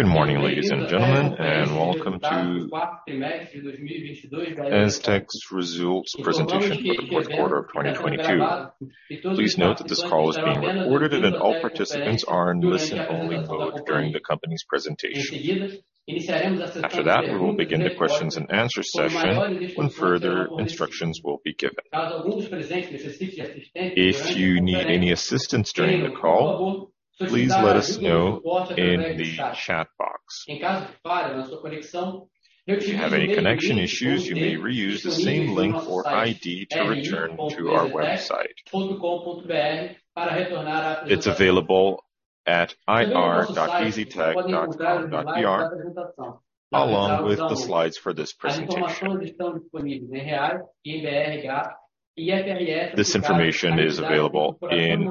Good morning, ladies and gentlemen, and welcome to EZTEC's results presentation for the fourth quarter of 2022. Please note that this call is being recorded and that all participants are in listen-only mode during the company's presentation. After that, we will begin the questions-and-answer session when further instructions will be given. If you need any assistance during the call, please let us know in the chat box. If you have any connection issues, you may reuse the same link or ID to return to our website. It's available at ri.eztec.com.br along with the slides for this presentation. This information is available in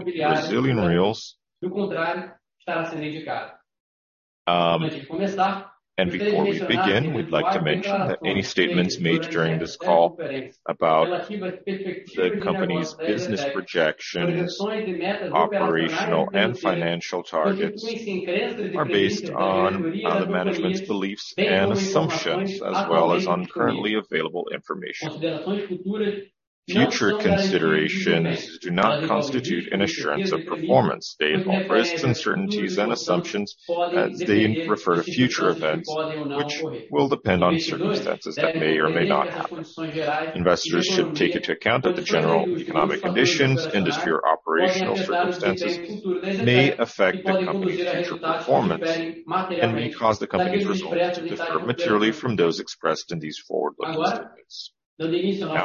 Brazilian reals. Before we begin, we'd like to mention that any statements made during this call about the company's business projections, operational and financial targets are based on the management's beliefs and assumptions, as well as on currently available information. Future considerations do not constitute an assurance of performance. They involve risks, uncertainties, and assumptions as they refer to future events which will depend on circumstances that may or may not happen. Investors should take into account that the general economic conditions, industry, or operational circumstances may affect the company's future performance and may cause the company's results to differ materially from those expressed in these forward-looking statements. Now,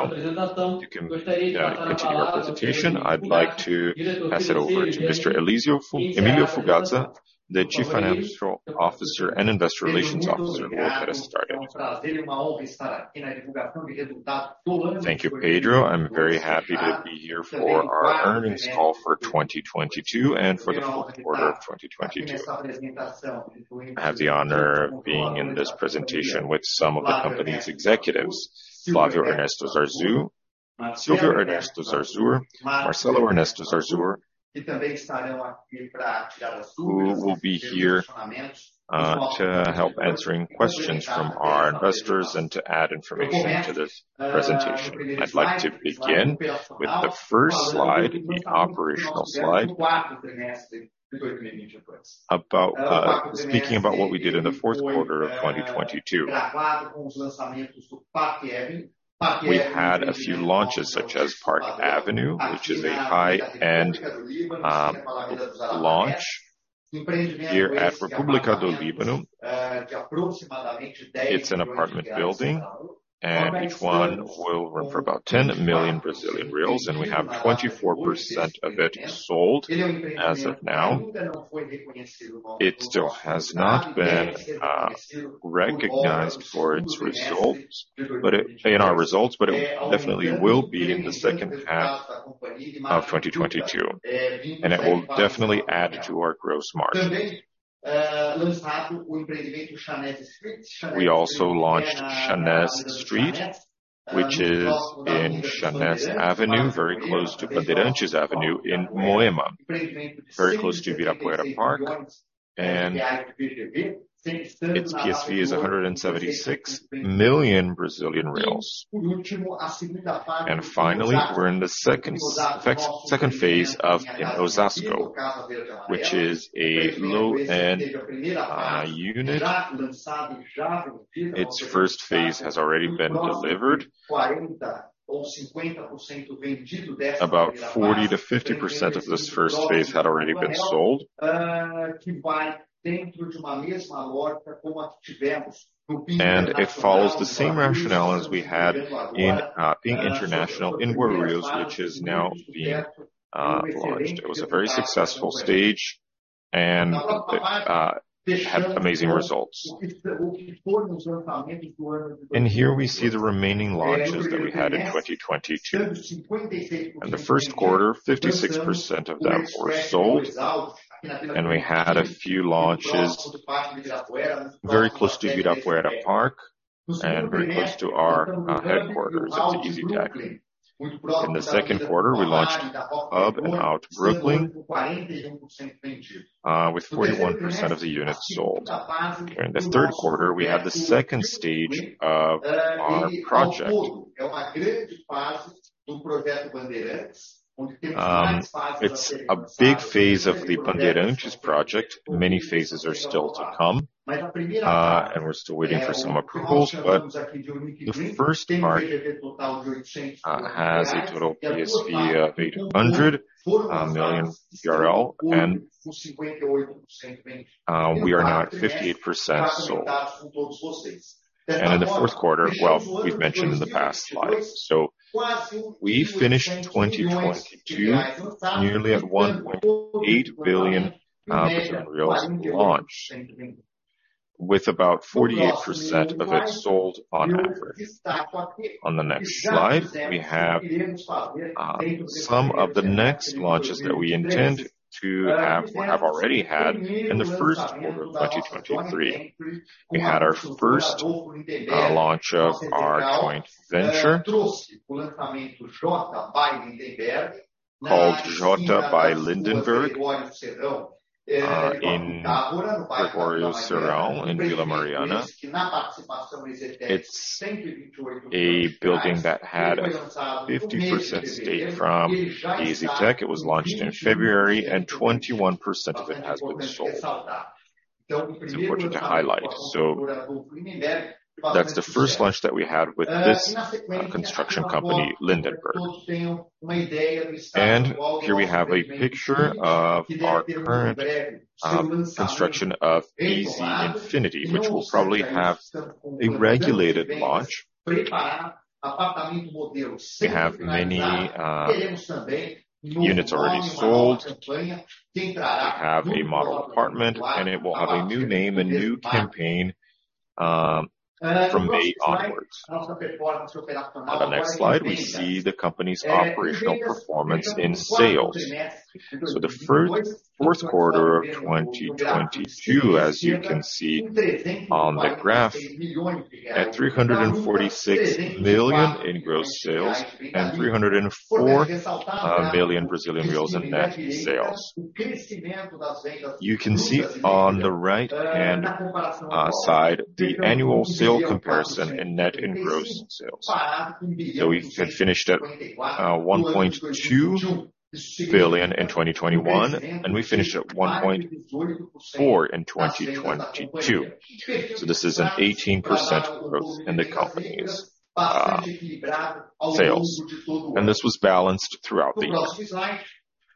to continue our presentation, I'd like to pass it over to Mr. Emilio Fugazza, the Chief Financial Officer and Investor Relations Officer, who will get us started Thank you, Pedro. I'm very happy to be here for our earnings call for 2022 and for the fourth quarter of 2022. I have the honor of being in this presentation with some of the company's executives, Flávio Ernesto Zarzur, Silvio Ernesto Zarzur, Marcelo Ernesto Zarzur, who will be here to help answering questions from our investors and to add information to this presentation. I'd like to begin with the first slide, the operational slide. Speaking about what we did in the fourth quarter of 2022. We had a few launches, such as Park Avenue, which is a high-end launch here at República do Líbano. It's an apartment building, and each one will run for about 10 million Brazilian reais, and we have 24% of it sold as of now. It still has not been recognized for its results, but it definitely will be in the second half of 2022, and it will definitely add to our gross margin. We also launched Chanés Street, which is in Chanés Avenue, very close to Bandeirantes Avenue in Moema. Very close to Ibirapuera Park. Its PSV is BRL 176 million. Finally, we're in the second phase of in Osasco, which is a low-end unit. Its first phase has already been delivered. About 40%-50% of this first phase had already been sold. It follows the same rationale as we had in International in Guarulhos, which is now being launched. It was a very successful stage and it had amazing results. Here we see the remaining launches that we had in 2022. In the first quarter, 56% of them were sold, and we had a few launches very close to Ibirapuera Park and very close to our headquarters at EZTEC. In the second quarter, we launched Hub and Hub Brooklin, with 41% of the units sold. In the third quarter, we had the second stage of our project. It's a big phase of the Bandeirantes project. Many phases are still to come, and we're still waiting for some approvals. The first part has a total PSV of BRL 800 million, and we are now at 58% sold. In the fourth quarter, well, we've mentioned in the past slide. We finished 2022 nearly at 1.8 billion in launch with about 48% of it sold on average. On the next slide, we have some of the next launches that we intend to have. We have already had in the first quarter of 2023. We had our first launch of our joint venture, called Jota by Lindenberg, in Gregório Serrão in Vila Mariana. It's a building that had a 50% stake from EZTEC. It was launched in February, and 21% of it has been sold. It's important to highlight. That's the first launch that we had with this construction company, Lindenberg. Here we have a picture of our current construction of EZ Infinity which will probably have a regulated launch. We have many units already sold. We have a model apartment, and it will have a new name and new campaign from May onwards. On the next slide, we see the company's operational performance in sales. The fourth quarter of 2022, as you can see on the graph, at 346 million in gross sales and 304 billion Brazilian reais in net sales. You can see on the right-hand side, the annual sale comparison in net and gross sales. We had finished at 1.2 billion in 2021, and we finished at 1.4 in 2022. This is an 18% growth in the company's sales, and this was balanced throughout the year.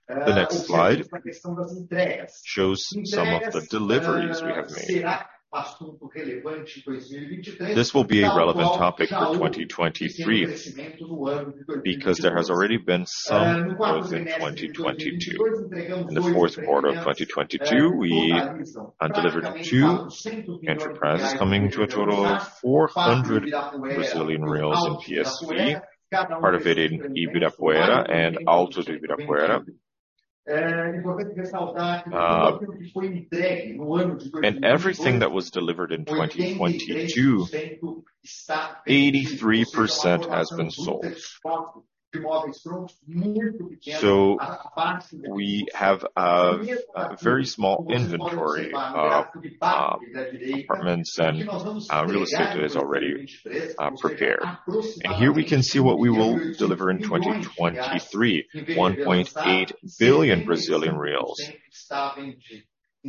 The next slide shows some of the deliveries we have made. This will be a relevant topic for 2023 because there has already been some growth in 2022. In the fourth quarter of 2022, we have delivered two enterprises coming to a total of 400 in PSV, part of it in Ibirapuera and Alto do Ibirapuera. Everything that was delivered in 2022, 83% has been sold. We have a very small inventory of apartments and real estate that is already prepared. Here we can see what we will deliver in 2023, 1.8 billion Brazilian reais.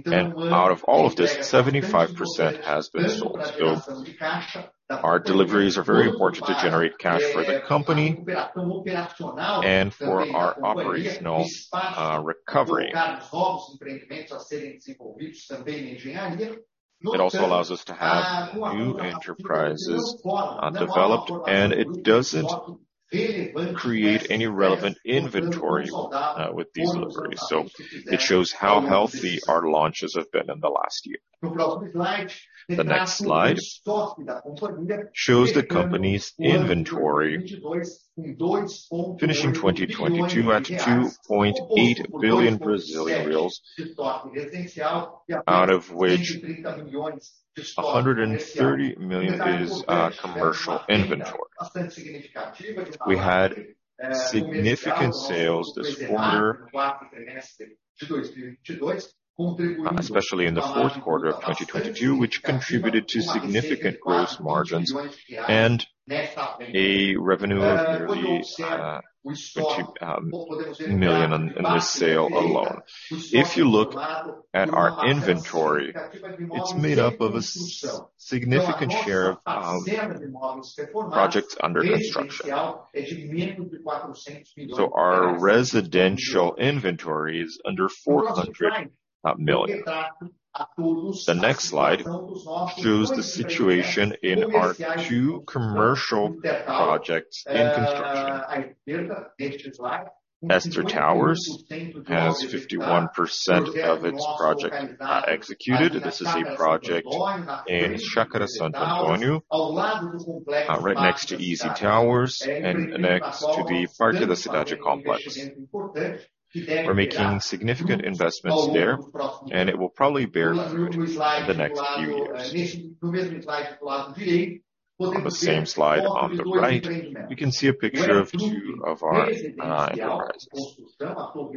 Out of all of this, 75% has been sold. Our deliveries are very important to generate cash for the company and for our operational recovery. It also allows us to have new enterprises developed, and it doesn't create any relevant inventory with these deliveries. It shows how healthy our launches have been in the last year. The next slide shows the company's inventory finishing 2022 at 2.8 billion Brazilian reais, out of which 130 million is commercial inventory. We had significant sales this quarter, especially in Q4 2022, which contributed to significant gross margins and a revenue of nearly 20 million in this sale alone. If you look at our inventory, it's made up of a significant share of projects under construction. Our residential inventory is under 400 million. The next slide shows the situation in our two commercial projects in construction. Esther Towers has 51% of its project executed. This is a project in Chacara Santo Antonio, right next to EZ Towers and next to the Parque da Cidade complex. We're making significant investments there, and it will probably bear fruit in the next few years. On the same slide on the right, you can see a picture of two of our enterprises.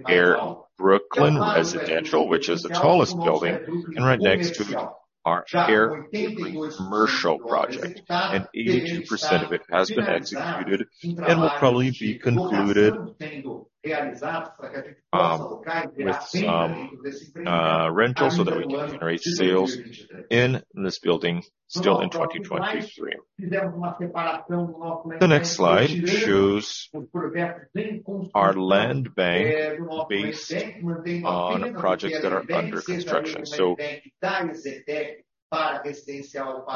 Air Brooklin Residential, which is the tallest building, and right next to our Air Brooklin Commercial project. 82% of it has been executed and will probably be concluded with some rental so that we can generate sales in this building still in 2023. The next slide shows our land bank based on projects that are under construction.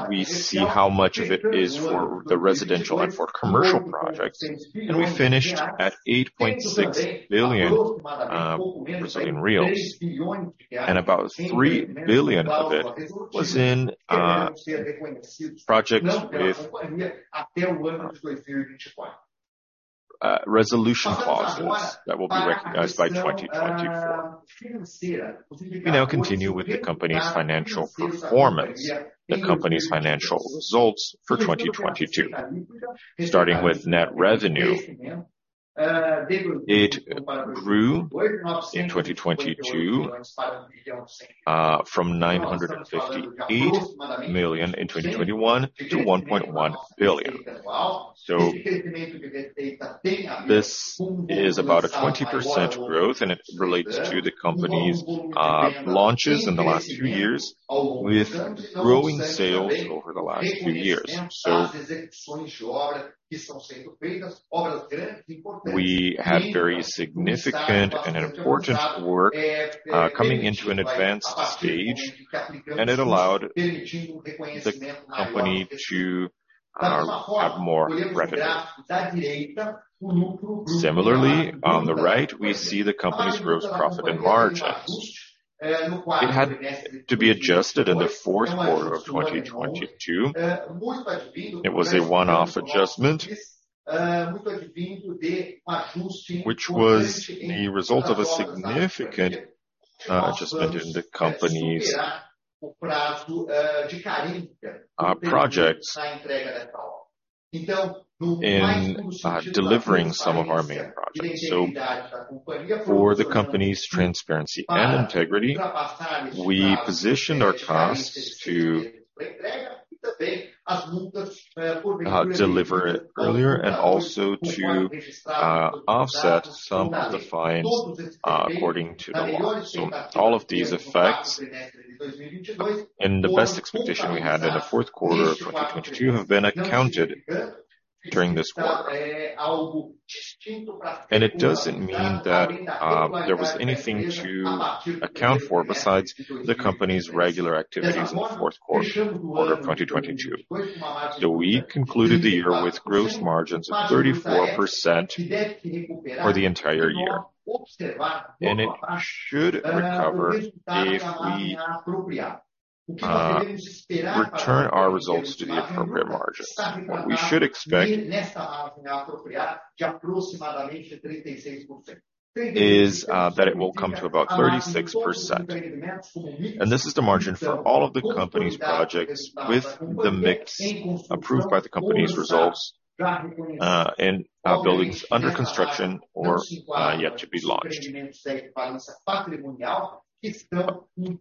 We see how much of it is for the residential and for commercial projects, and we finished at 8.6 billion Brazilian reais, and about 3 billion of it was in projects with resolution clauses that will be recognized by 2024. We now continue with the company's financial performance, the company's financial results for 2022, starting with net revenue. It grew in 2022 from 958 million in 2021 to 1.1 billion. This is about a 20% growth, and it relates to the company's launches in the last few years with growing sales over the last few years. We had very significant and important work coming into an advanced stage, and it allowed the company to have more revenue. Similarly, on the right, we see the company's gross profit and margins. It had to be adjusted in the fourth quarter of 2022. It was a one-off adjustment, which was the result of a significant adjustment in the company's projects in delivering some of our main projects. For the company's transparency and integrity, we positioned our costs to deliver it earlier and also to offset some of the fines according to the law. All of these effects and the best expectation we had in the fourth quarter of 2022 have been accounted during this quarter. It doesn't mean that there was anything to account for besides the company's regular activities in the fourth quarter of 2022. We concluded the year with gross margins of 34% for the entire year. It should recover if we return our results to the appropriate margins. What we should expect is that it will come to about 36%. This is the margin for all of the company's projects with the mix approved by the company's results, and buildings under construction or yet to be launched.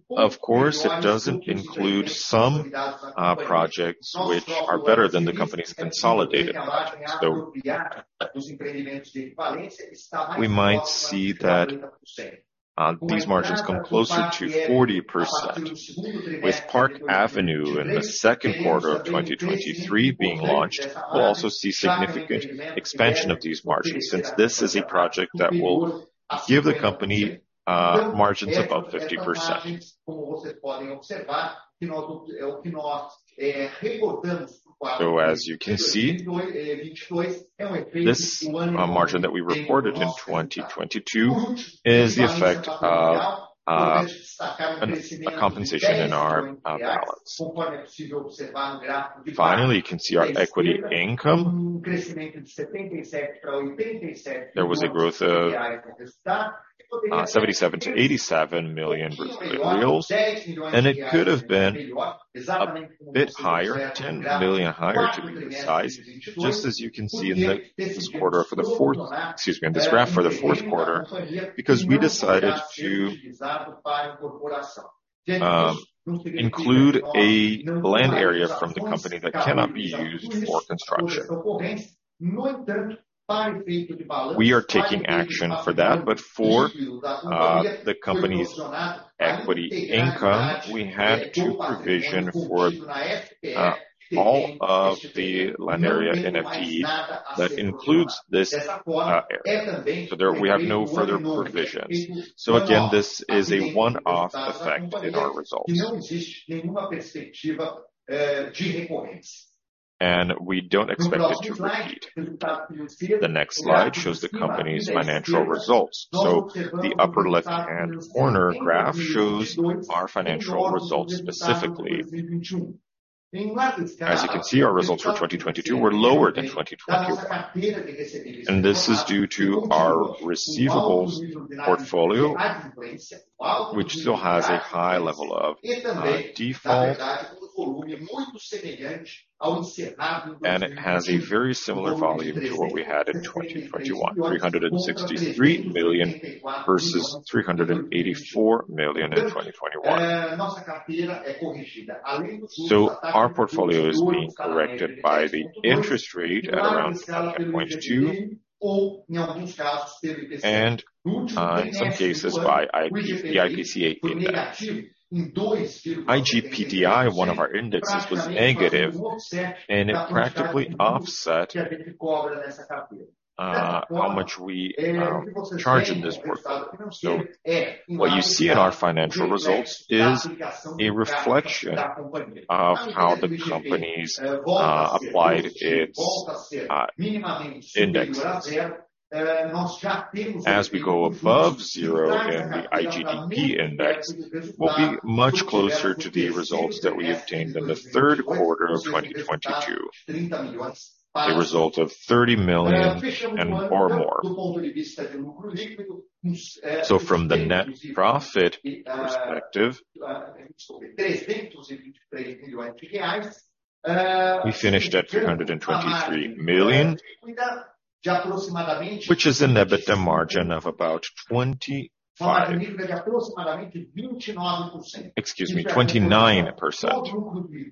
Of course, it doesn't include some projects which are better than the company's consolidated projects. We might see that these margins come closer to 40%. With Park Avenue in the second quarter of 2023 being launched, we'll also see significant expansion of these margins since this is a project that will give the company margins above 50%. As you can see, this margin that we reported in 2022 is the effect of a compensation in our balance. You can see our equity income. There was a growth of 77 million-87 million Brazilian reais. It could have been a bit higher, 10 million higher to be precise, just as you can see in this graph for the fourth quarter, because we decided to include a land area from the company that cannot be used for construction. We are taking action for that. For the company's equity income, we had to provision for all of the land area in FPE that includes this area. We have no further provisions. Again, this is a one-off effect in our results. We don't expect it to repeat. The next slide shows the company's financial results. The upper left-hand corner graph shows our financial results specifically. As you can see, our results for 2022 were lower than 2021. This is due to our receivables portfolio, which still has a high level of default. It has a very similar volume to what we had in 2021, 363 million versus 384 million in 2021. Our portfolio is being corrected by the interest rate at around 5.2% and in some cases by the IPCA index. IGP-DI, one of our indexes, was negative and it practically offset how much we charge in this portfolio. What you see in our financial results is a reflection of how the company's applied its indexes. As we go above zero in the IGP-DI index, we'll be much closer to the results that we obtained in the third quarter of 2022, a result of 30 million and or more. From the net profit perspective. We finished at 323 million, which is an EBITDA margin of about 25%. Excuse me, 29%.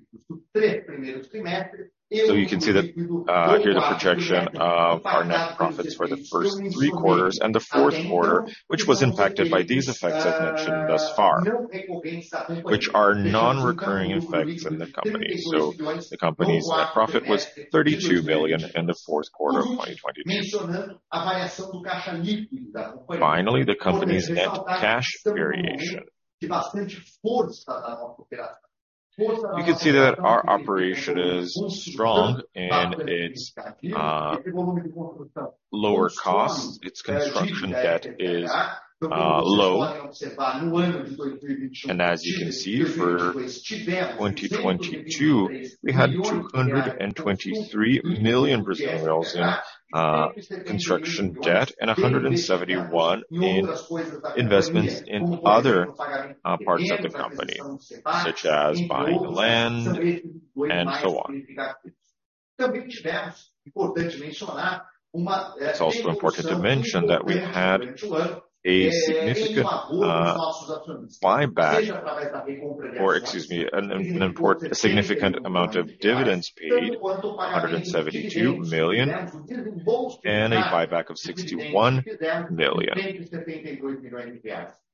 You can see that here the projection of our net profits for the first three quarters and the fourth quarter, which was impacted by these effects I've mentioned thus far, which are non-recurring effects in the company. The company's net profit was 32 million in the fourth quarter of 2022. Finally, the company's net cash variation. You can see that our operation is strong and it's lower cost. Its construction debt is low. As you can see, for 2022, we had 223 million in construction debt and 171 in investments in other parts of the company, such as buying land and so on. It's also important to mention that we had a significant buyback or excuse me, a significant amount of dividends paid, 172 million and a buyback of 61 million.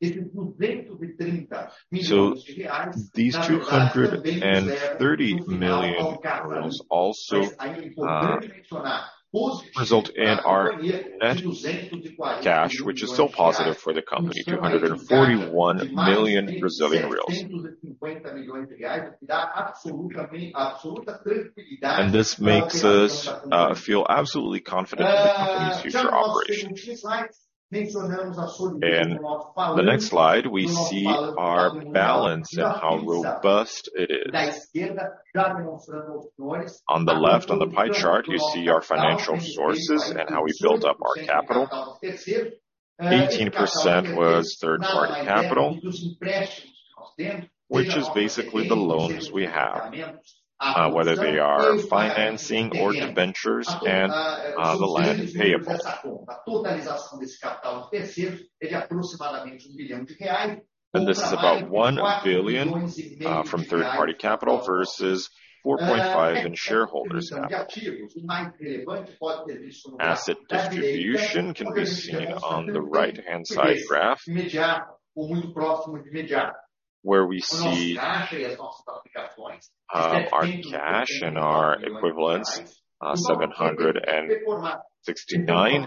These BRL 230 million also result in our net cash, which is still positive for the company, BRL 241 million. This makes us feel absolutely confident in the company's future operations. In the next slide, we see our balance and how robust it is. On the left, on the pie chart, you see our financial sources and how we build up our capital. 18% was third-party capital, which is basically the loans we have, whether they are financing or debentures and the line of payment. This is about 1 billion from third-party capital versus 4.5 billion in shareholders capital. Asset distribution can be seen on the right-hand side graph, where we see our cash and our equivalents, BRL 769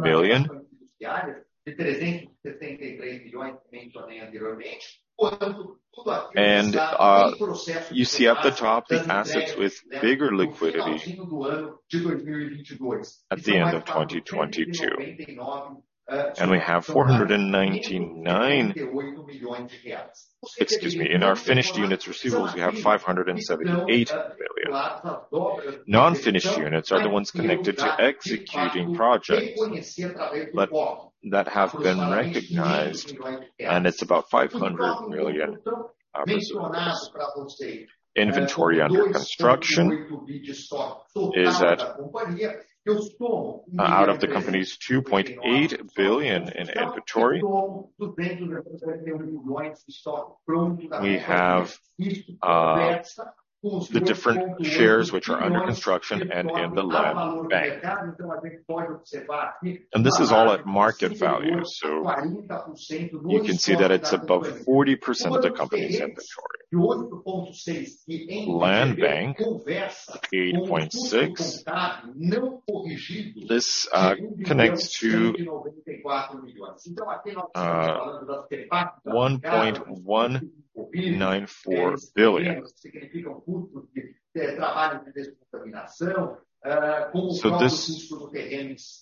million. You see at the top the assets with bigger liquidity at the end of 2022. Excuse me, in our finished units receivables, we have 578 million. Non-finished units are the ones connected to executing projects but that have been recognized, and it's about BRL 500 million Brazilian reals. Out of the company's 2.8 billion in inventory, we have the different shares which are under construction and in the land bank. This is all at market value, so you can see that it's above 40% of the company's inventory. Land bank of 8.6. This connects to BRL 1.194 billion. This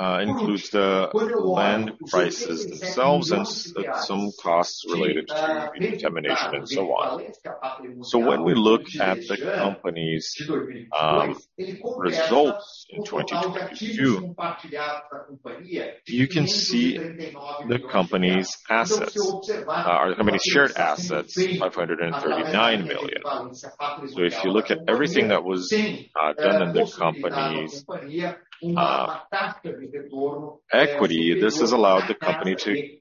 includes the land prices themselves and some costs related to decontamination and so on. When we look at the company's results in 2022, you can see the company's assets. The company's shared assets, 539 million. If you look at everything that was done in the company's equity, this has allowed the company to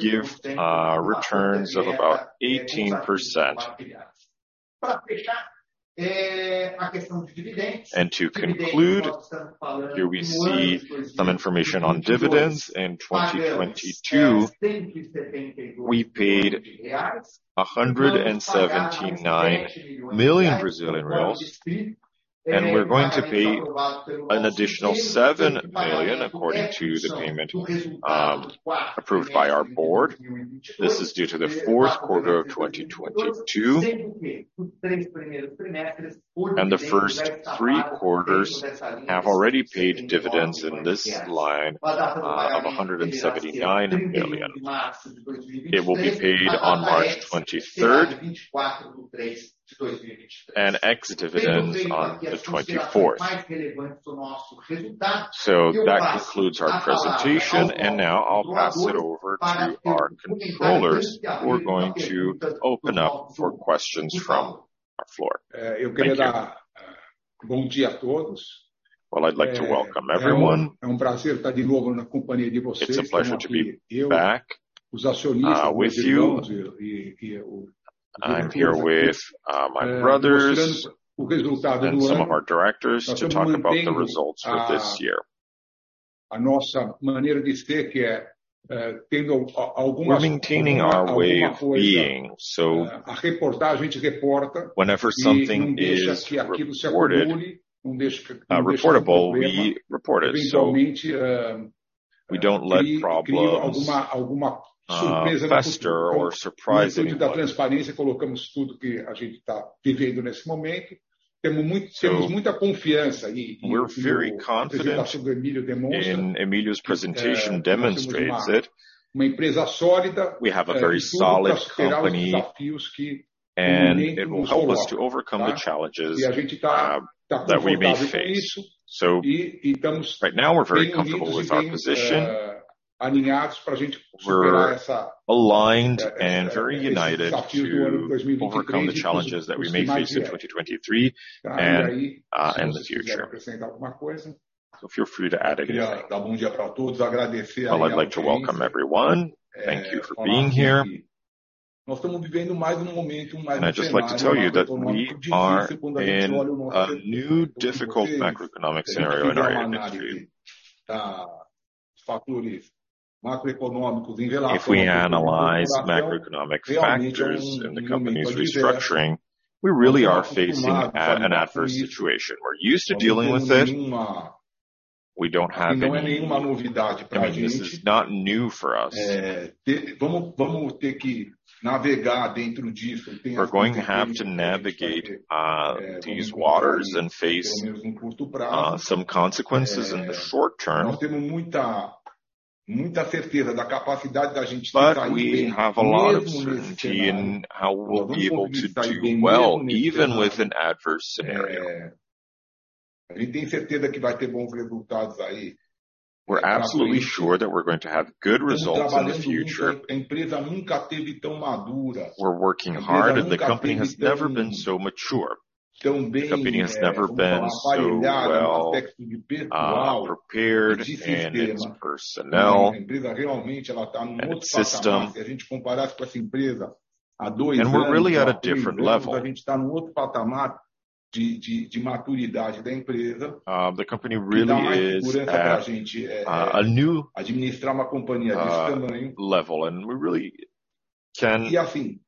give returns of about 18%. To conclude, here we see some information on dividends. In 2022, we paid 179 million Brazilian reais, and we're going to pay an additional 7 million according to the payment approved by our board. This is due to the fourth quarter of 2022. The first three quarters have already paid dividends in this line, of 179 million. It will be paid on March 23rd, and ex-dividend on the 24th. That concludes our presentation, and now I'll pass it over to our controllers, who are going to open up for questions from our floor. Thank you. Bom dia a todos. Well, I'd like to welcome everyone. É um prazer estar de novo na companhia de vocês. It's a pleasure to be back, with you. ...como eu, os acionistas, meus irmãos e I'm here with my brothers. mostrando o resultado do ano. Some of our directors to talk about the results for this year. A nossa maneira de ser, que é tendo alguma. We're maintaining our way of being. alguma coisa a reportar, a gente reporta-. Whenever something is reported, reportable, we report it. Não deixa que aquilo se acumule, não deixa ser problema. We don't let problems-. Eventualmente. ...fester or surprise anybody. Cria alguma surpresa negativa. No intuito da transparência, colocamos tudo que a gente tá vivendo nesse momento. Temos muita confiança em. We're very confident. a apresentação do Emílio demonstra. Emílio's presentation demonstrates it. ...temos uma empresa sólida. We have a very solid company. ...capaz de superar os desafios que o momento nos coloca, tá? It will help us to overcome the challenges, that we may face. A gente tá confortável com isso e tamos bem unidos. Right now we're very comfortable with our position. e bem, aninhados pra gente superar. We're aligned and very united. Esse desafio do ano de 2023 e os que se seguirem. Overcome the challenges that we may face in 2023 and in the future. Tá? Aí, se os senhores quiserem acrescentar alguma coisa. Feel free to add anything. Queria dar bom dia pra todos, agradecer aí a presença. Well, I'd like to welcome everyone. Thank you for being here. Falar que nós estamos vivendo mais um momento, mais um cenário macroeconômico difícil quando a gente olha o nosso setor. I just like to tell you that we are in a new, difficult macroeconomic scenario in our industry. Se a gente fizer uma análise os fatores macroeconômicos em relação à construção. If we analyze macroeconomic factors and the company's restructuring. realmente é um momento adverso. We really are facing an adverse situation. We're used to dealing with it. Estamos acostumados a lidar com isso. We don't have. Não é nenhuma novidade pra gente. I mean, this is not new for us. Vamo ter que navegar dentro disso, tem as consequências que a gente vai ter no decorrer, pelo menos no curto prazo. We're going to have to navigate, these waters and face, some consequences in the short term. nós temos muita certeza da capacidade da gente de sair bem mesmo nesse cenário. We have a lot of certainty in how we'll be able to do well, even with an adverse scenario. Nós vamos conseguir sair bem mesmo nesse cenário. A gente tem certeza que vai ter bons resultados aí pra frente. We're absolutely sure that we're going to have good results in the future. Tamo trabalhando muito. A empresa nunca teve tão madura. We're working hard and the company has never been so mature. A empresa nunca esteve tão bem. The company has never been so well- Tão bem, vamos falar, alinhada no aspecto de pessoal e de sistema. Prepared in its personnel- A empresa realmente ela tá num outro patamar. And its system. Se a gente comparasse com essa empresa há 2 anos, há 3 anos, a gente tá num outro patamar de maturidade da empresa. The company really is at a new. Que dá mais segurança pra gente. Level and we really. Administrar uma companhia desse tamanho.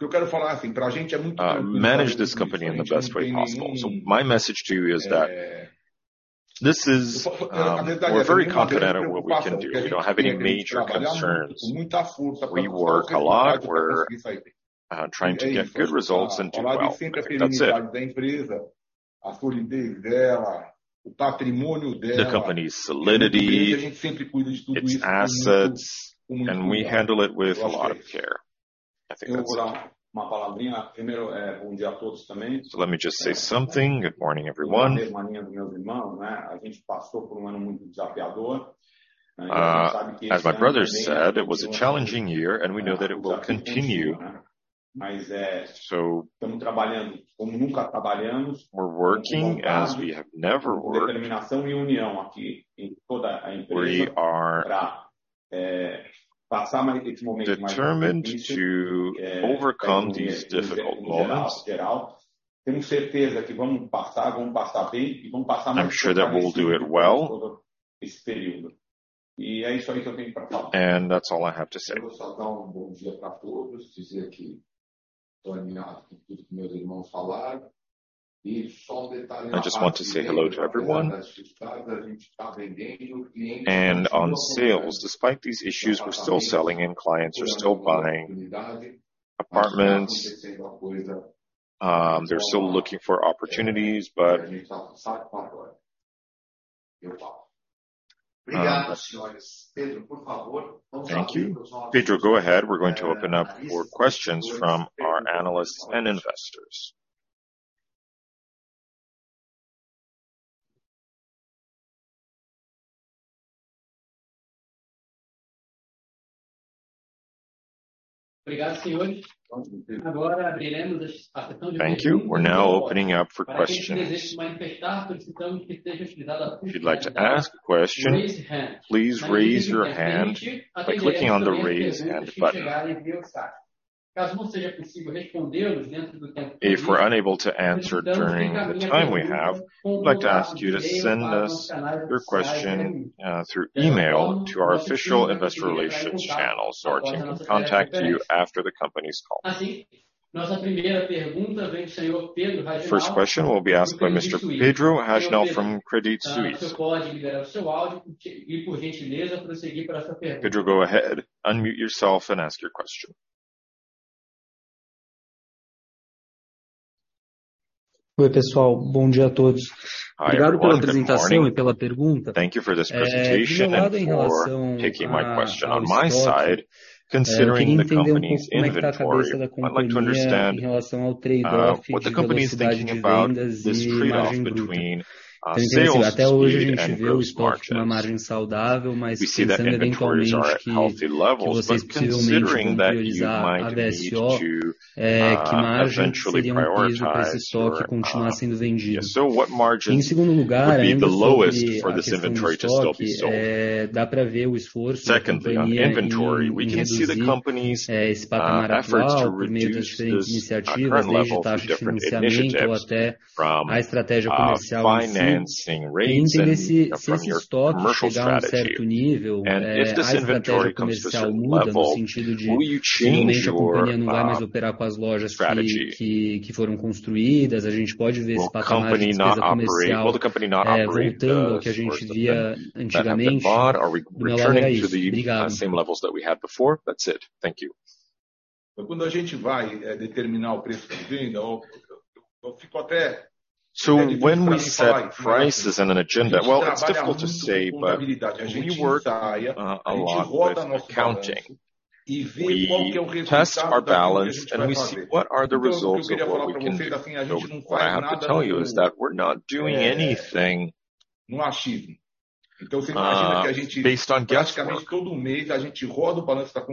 Manage this company in the best way possible. My message to you is that this is, we're very confident on what we can do. We don't have any major concerns. Só para detalhar mesmo, a gente não tem preocupação, porque a gente vem trabalhando com muita força para buscar resultados e para conseguir sair bem. É isso. We work a lot. We're trying to get good results and do well. That's it. Ao lado de sempre a solidez da empresa, a solidez dela, o patrimônio dela. The company's solidity. A empresa, a gente sempre cuida de tudo isso com muito carinho. Its assets. We handle it with a lot of care. I think that's it. Eu vou dar uma palavrinha. Primeiro, bom dia a todos também. Let me just say something. Good morning, everyone. Uma resumaninho do meus irmão, né? A gente passou por um ano muito desafiador. A gente sabe que esse ano também vai ser um ano desafiador. As my brother said, it was a challenging year, and we know that it will continue. Desafio contínuo, né? So- Tamo trabalhando como nunca trabalhamos. Com vontade. We're working as we have never worked. Com determinação e união aqui em toda a empresa pra passar mais esse momento mais difícil. We are determined to overcome these difficult moments. É com geral. Temos certeza que vamos passar, vamos passar bem e vamos passar muito bem por todo esse período. I'm sure that we'll do it well. É isso aí que eu tenho pra falar. That's all I have to say. Eu vou só dar um bom dia pra todos, dizer que tô alinhado com tudo que meus irmãos falaram. Só um detalhe na parte de vendas. I just want to say hello to everyone. Nas vendas, a gente tá vendendo, o cliente tá buscando oportunidade. On sales, despite these issues, we're still selling and clients are still buying apartments. tá acontecendo uma coisa- They're still looking for opportunities. É, a gente sabe como é que é. Eu falo. Obrigado, senhores. Pedro, por favor, vamos abrir pros nossos analistas e investidores. Thank you. Pedro, go ahead. We're going to open up for questions from our analysts and investors. Obrigado, senhores. Ótimo. Agora abriremos a sessão de perguntas e respostas. Thank you. We're now opening up for questions. Para quem deseja se manifestar, solicitamos que seja utilizada a função "raise hand". If you'd like to ask a question, please raise your hand by clicking on the raise hand button. A gente vai permitir até 10 pessoas que chegarem via chat. Caso não seja possível respondê-los dentro do tempo previsto- If we're unable to answer during the time we have, I'd like to ask you to send us your question, through email to our official investor relations channels, so our team can contact you after the company's call. Solicitamos que enviem o seu comentário por meio dos canais oficiais da empresa. Nossa primeira pergunta vem do senhor Pedro Hajnal, do Credit Suisse. First question will be asked by Mr. Pedro Hajnal from Credit Suisse. Pedro, o senhor pode liberar o seu áudio e, por gentileza, prosseguir para sua pergunta? Pedro, go ahead, unmute yourself and ask your question. Oi pessoal, bom dia a todos. Obrigado pela apresentação e pela pergunta. Meu lado em relação ao estoque, queria entender um pouco como é que tá a cabeça da companhia em relação ao trade-off de velocidade de vendas e margem bruta. Quer dizer, até hoje a gente vê o estoque numa margem saudável, mas pensando eventualmente que vocês possivelmente vão priorizar a VSO, que margem seria um piso pra esse estoque continuar sendo vendido? Em segundo lugar, além sobre a questão do estoque, dá pra ver o esforço da companhia em reduzir esse patamar atual por meio das diferentes iniciativas, seja taxa de financiamento ou até a estratégia comercial em si. Eu queria entender se esse estoque chegar a um certo nível, a estratégia comercial muda no sentido de repente, a companhia não vai mais operar com as lojas que foram construídas. A gente pode ver esse patamar de despesa comercial voltando ao que a gente via antigamente? Me alertar isso. Obrigado. When we set prices and an agenda, well, it's difficult to say, but we work a lot with accounting. We test our balance and we see what are the results of what we can do. What I have to tell you is that we're not doing anything based on guesswork.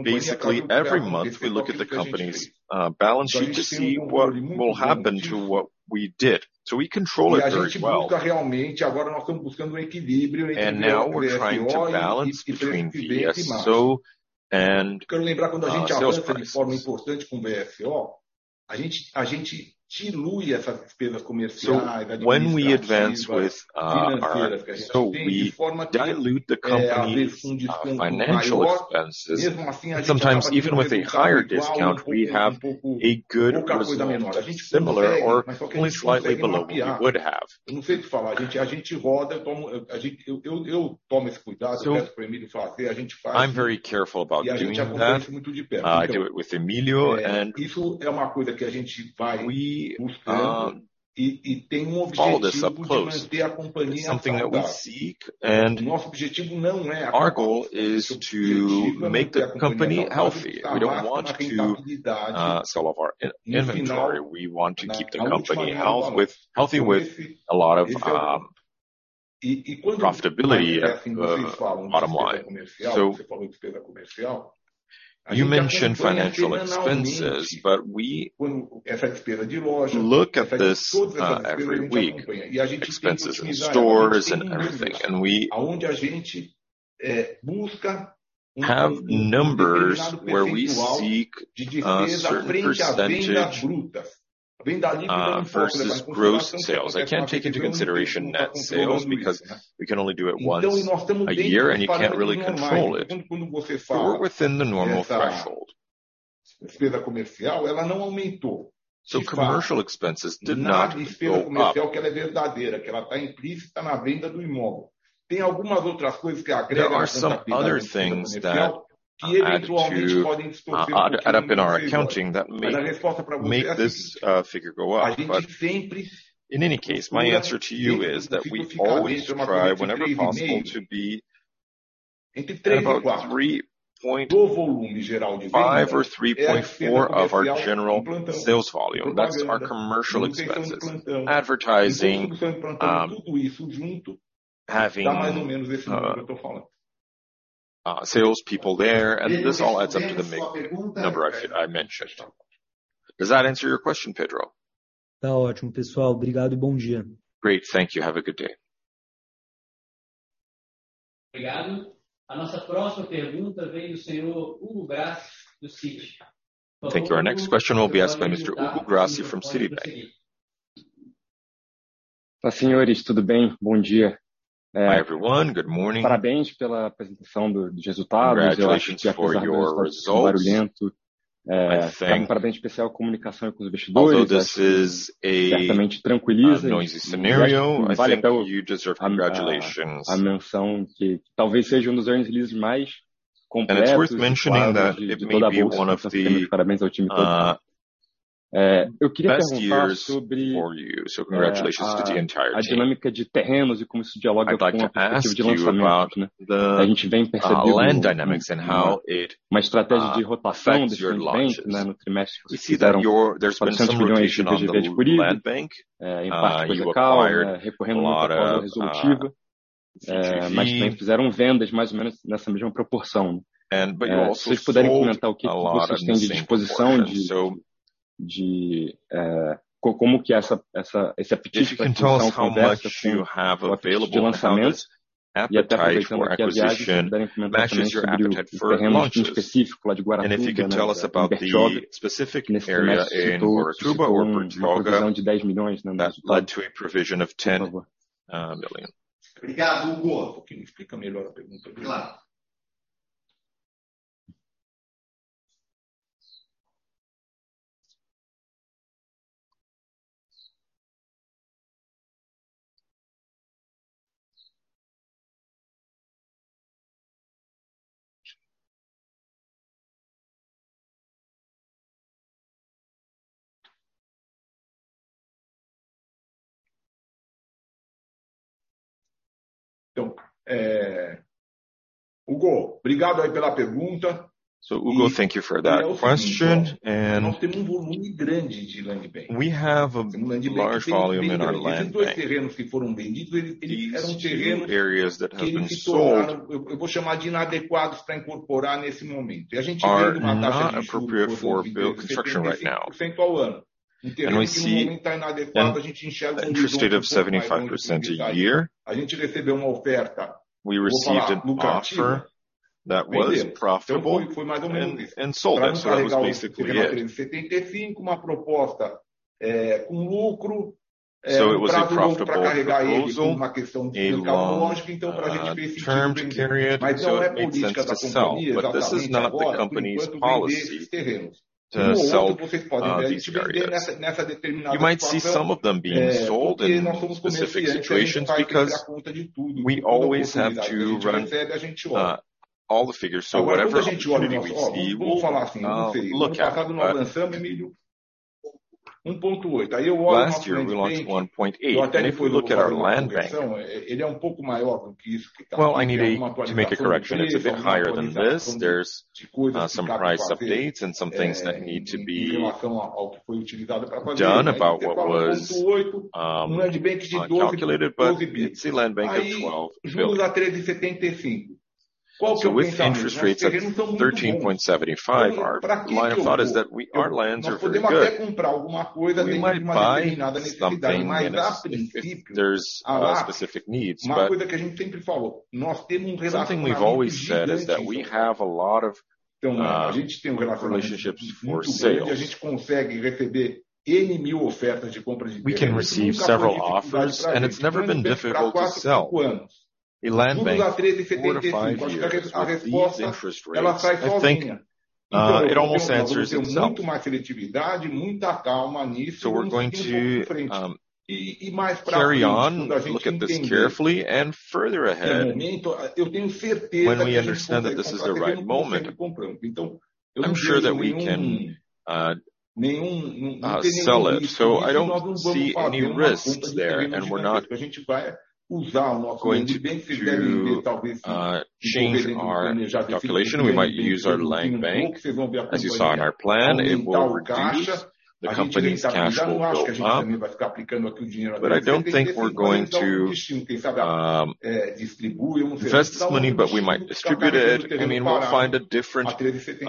Basically, every month, we look at the company's balance sheet to see what will happen to what we did. We control it very well. Now we're trying to balance between VSO and sales price. When we advance with our VSO, we dilute the company's financial expenses. Sometimes even with a higher discount, we have a good result, similar or only slightly below what we would have. I'm very careful about doing that. I do it with Emilio and we follow this up close. It's something that we seek and our goal is to make the company healthy. We don't want to sell off our in-inventory. We want to keep the company healthy with a lot of profitability, bottom line. You mention financial expenses, but we look at this every week, expenses in stores and everything. We have numbers where we seek a certain percentage versus gross sales. I can't take into consideration net sales because we can only do it once a year, and you can't really control it. We're within the normal threshold. Commercial expenses did not go up. There are some other things that add up in our accounting that may make this figure go up. In any case, my answer to you is that we always try whenever possible to be at about 3.5% or 3.4% of our general sales volume. That's our commercial expenses, advertising, having sales people there, and this all adds up to the number I mentioned. Does that answer your question, Pedro? Tá ótimo, pessoal. Obrigado e bom dia. Great. Thank you. Have a good day. Obrigado. A nossa próxima pergunta vem do senhor Hugo Grassi, do Citi. Thank you. Our next question will be asked by Mr. Hugo Grassi from Citi. Olá, senhores, tudo bem? Bom dia. Hi, everyone. Good morning. Parabéns pela apresentação dos resultados. Eu acho que apesar do histórico barulhento, parabéns especial à comunicação com os investidores. Although this is a noisy scenario, I think you deserve congratulations. Certamente tranquiliza e vale até a menção que talvez seja um dos earnings releases mais completos e claros de toda a bolsa. Certamente meus parabéns ao time todo. Eu queria perguntar sobre a dinâmica de terrenos e como isso dialoga com o objetivo de lançamento. A gente vem percebendo uma estratégia de rotação desse no trimestre que se deram BRL 400 million em VGV disponível, em parte coisical, recorrendo muito ao código resolutivo, mas também fizeram vendas mais ou menos nessa mesma proporção. Se vocês puderem comentar o que que vocês têm de disposição de como que essa esse apetite pra conversão condiz com o apetite de lançamentos. Até aproveitando que a Viagens puderem comentar também sobre os terrenos em específico lá de Guaratuba, né, Bertioga, nesse trimestre se tocando uma provisão de BRL 10 milhões, né, no resultado. Por favor. Obrigado, Hugo. Porque ele explica melhor a pergunta. De nada. Hugo, obrigado aí pela pergunta. Hugo, thank you for that question. Olha só, nós temos um volume grande de land bank. We have a large volume in our land bank. Esses dois terrenos que foram vendidos, eles eram. These two areas that have been sold. Que eles se tornaram, eu vou chamar de inadequados pra incorporar nesse momento. A gente vende uma taxa de juros. Are not appropriate for construction right now. 75% ao ano. Um terreno que no momento tá inadequado, a gente enxerga um retorno um pouco mais baixo que isso. We see an interest rate of 75% a year. A gente recebeu uma oferta, louvar lucrativa. Vender. We received an offer that was profitable. Foi mais ou menos isso. Pra não carregar o terreno a 375, uma proposta. It was a profitable proposal. Pra longo, pra carregar ele com uma questão de campo lógico, então pra gente ter esse dinheiro aqui. Não é política da companhia exatamente agora, por enquanto, vender esses terrenos. A long term period, it makes sense to sell. This is not the company's policy to sell these areas. outro, vocês podem ver, a gente vê nessa determinada situação. You might see some of them being sold in specific situations. Nós somos comercializantes, a gente não vai conseguir abrir a conta de tudo que dá oportunidade. A gente recebe, a gente olha. We always have to run, all the figures. Whatever we see, we'll look at. Quanta gente olha? Ó, vamo falar assim pra vocês: No passado nós lançamos, Emílio, 1.8. Eu olho o nosso land bank. Last year, we launched 1.8 billion. Eu até fui olhar a conversão, ele é um pouco maior do que isso, que tá precisando de uma atualização de preço, uma atualização de coisas que cada parte. Well, I need to make a correction. It's a bit higher than this. There's some price updates and some things that need to be. Em relação ao que foi utilizado para fazer, né? Ter 4.8, um land bank de BRL 12 billion. Done about what was calculated, but it's a land bank of 12 billion. Juros a 13.75%. Qual que é o pensamento? Esses terrenos não muito bons. With interest rates at 13.75%, our line of thought is that our lands are very good. Pra que que eu vou? Nós podemos até comprar alguma coisa dentro de uma determinada necessidade, mas a princípio- We might buy something if there's specific needs. Uma coisa que a gente sempre falou: nós temos um relacionamento gigantesco. Something we've always said is that we have a lot of relationships for sales. A gente tem um relacionamento muito bom, onde a gente consegue receber N 1,000 ofertas de compra de terreno. A gente nunca teve dificuldade para vender. We can receive several offers, and it's never been difficult to sell. Pra 3, pra 4, 5 anos. Juros a distribua pra carregar o terreno pra 13.75%. É isso, essa é a ideia. Eu só quero fazer uma coisa. Quando eu falo em 3, não, eu me confundi. É 5% de despesa comercial quando você fecha tudo. É plantão, é corretagem, blá-blá-blá. Tá? 5% de despesa comercial que a gente tem. Eu voltei numa coisa que eu tinha me equivocado na vez anterior. Obrigado, Hugo. Going to change our calculation. We might use our land bank. As you saw in our plan, the company's cash will go up. Eu não tenho certeza. Quem sabe a gente decide, então, que sim,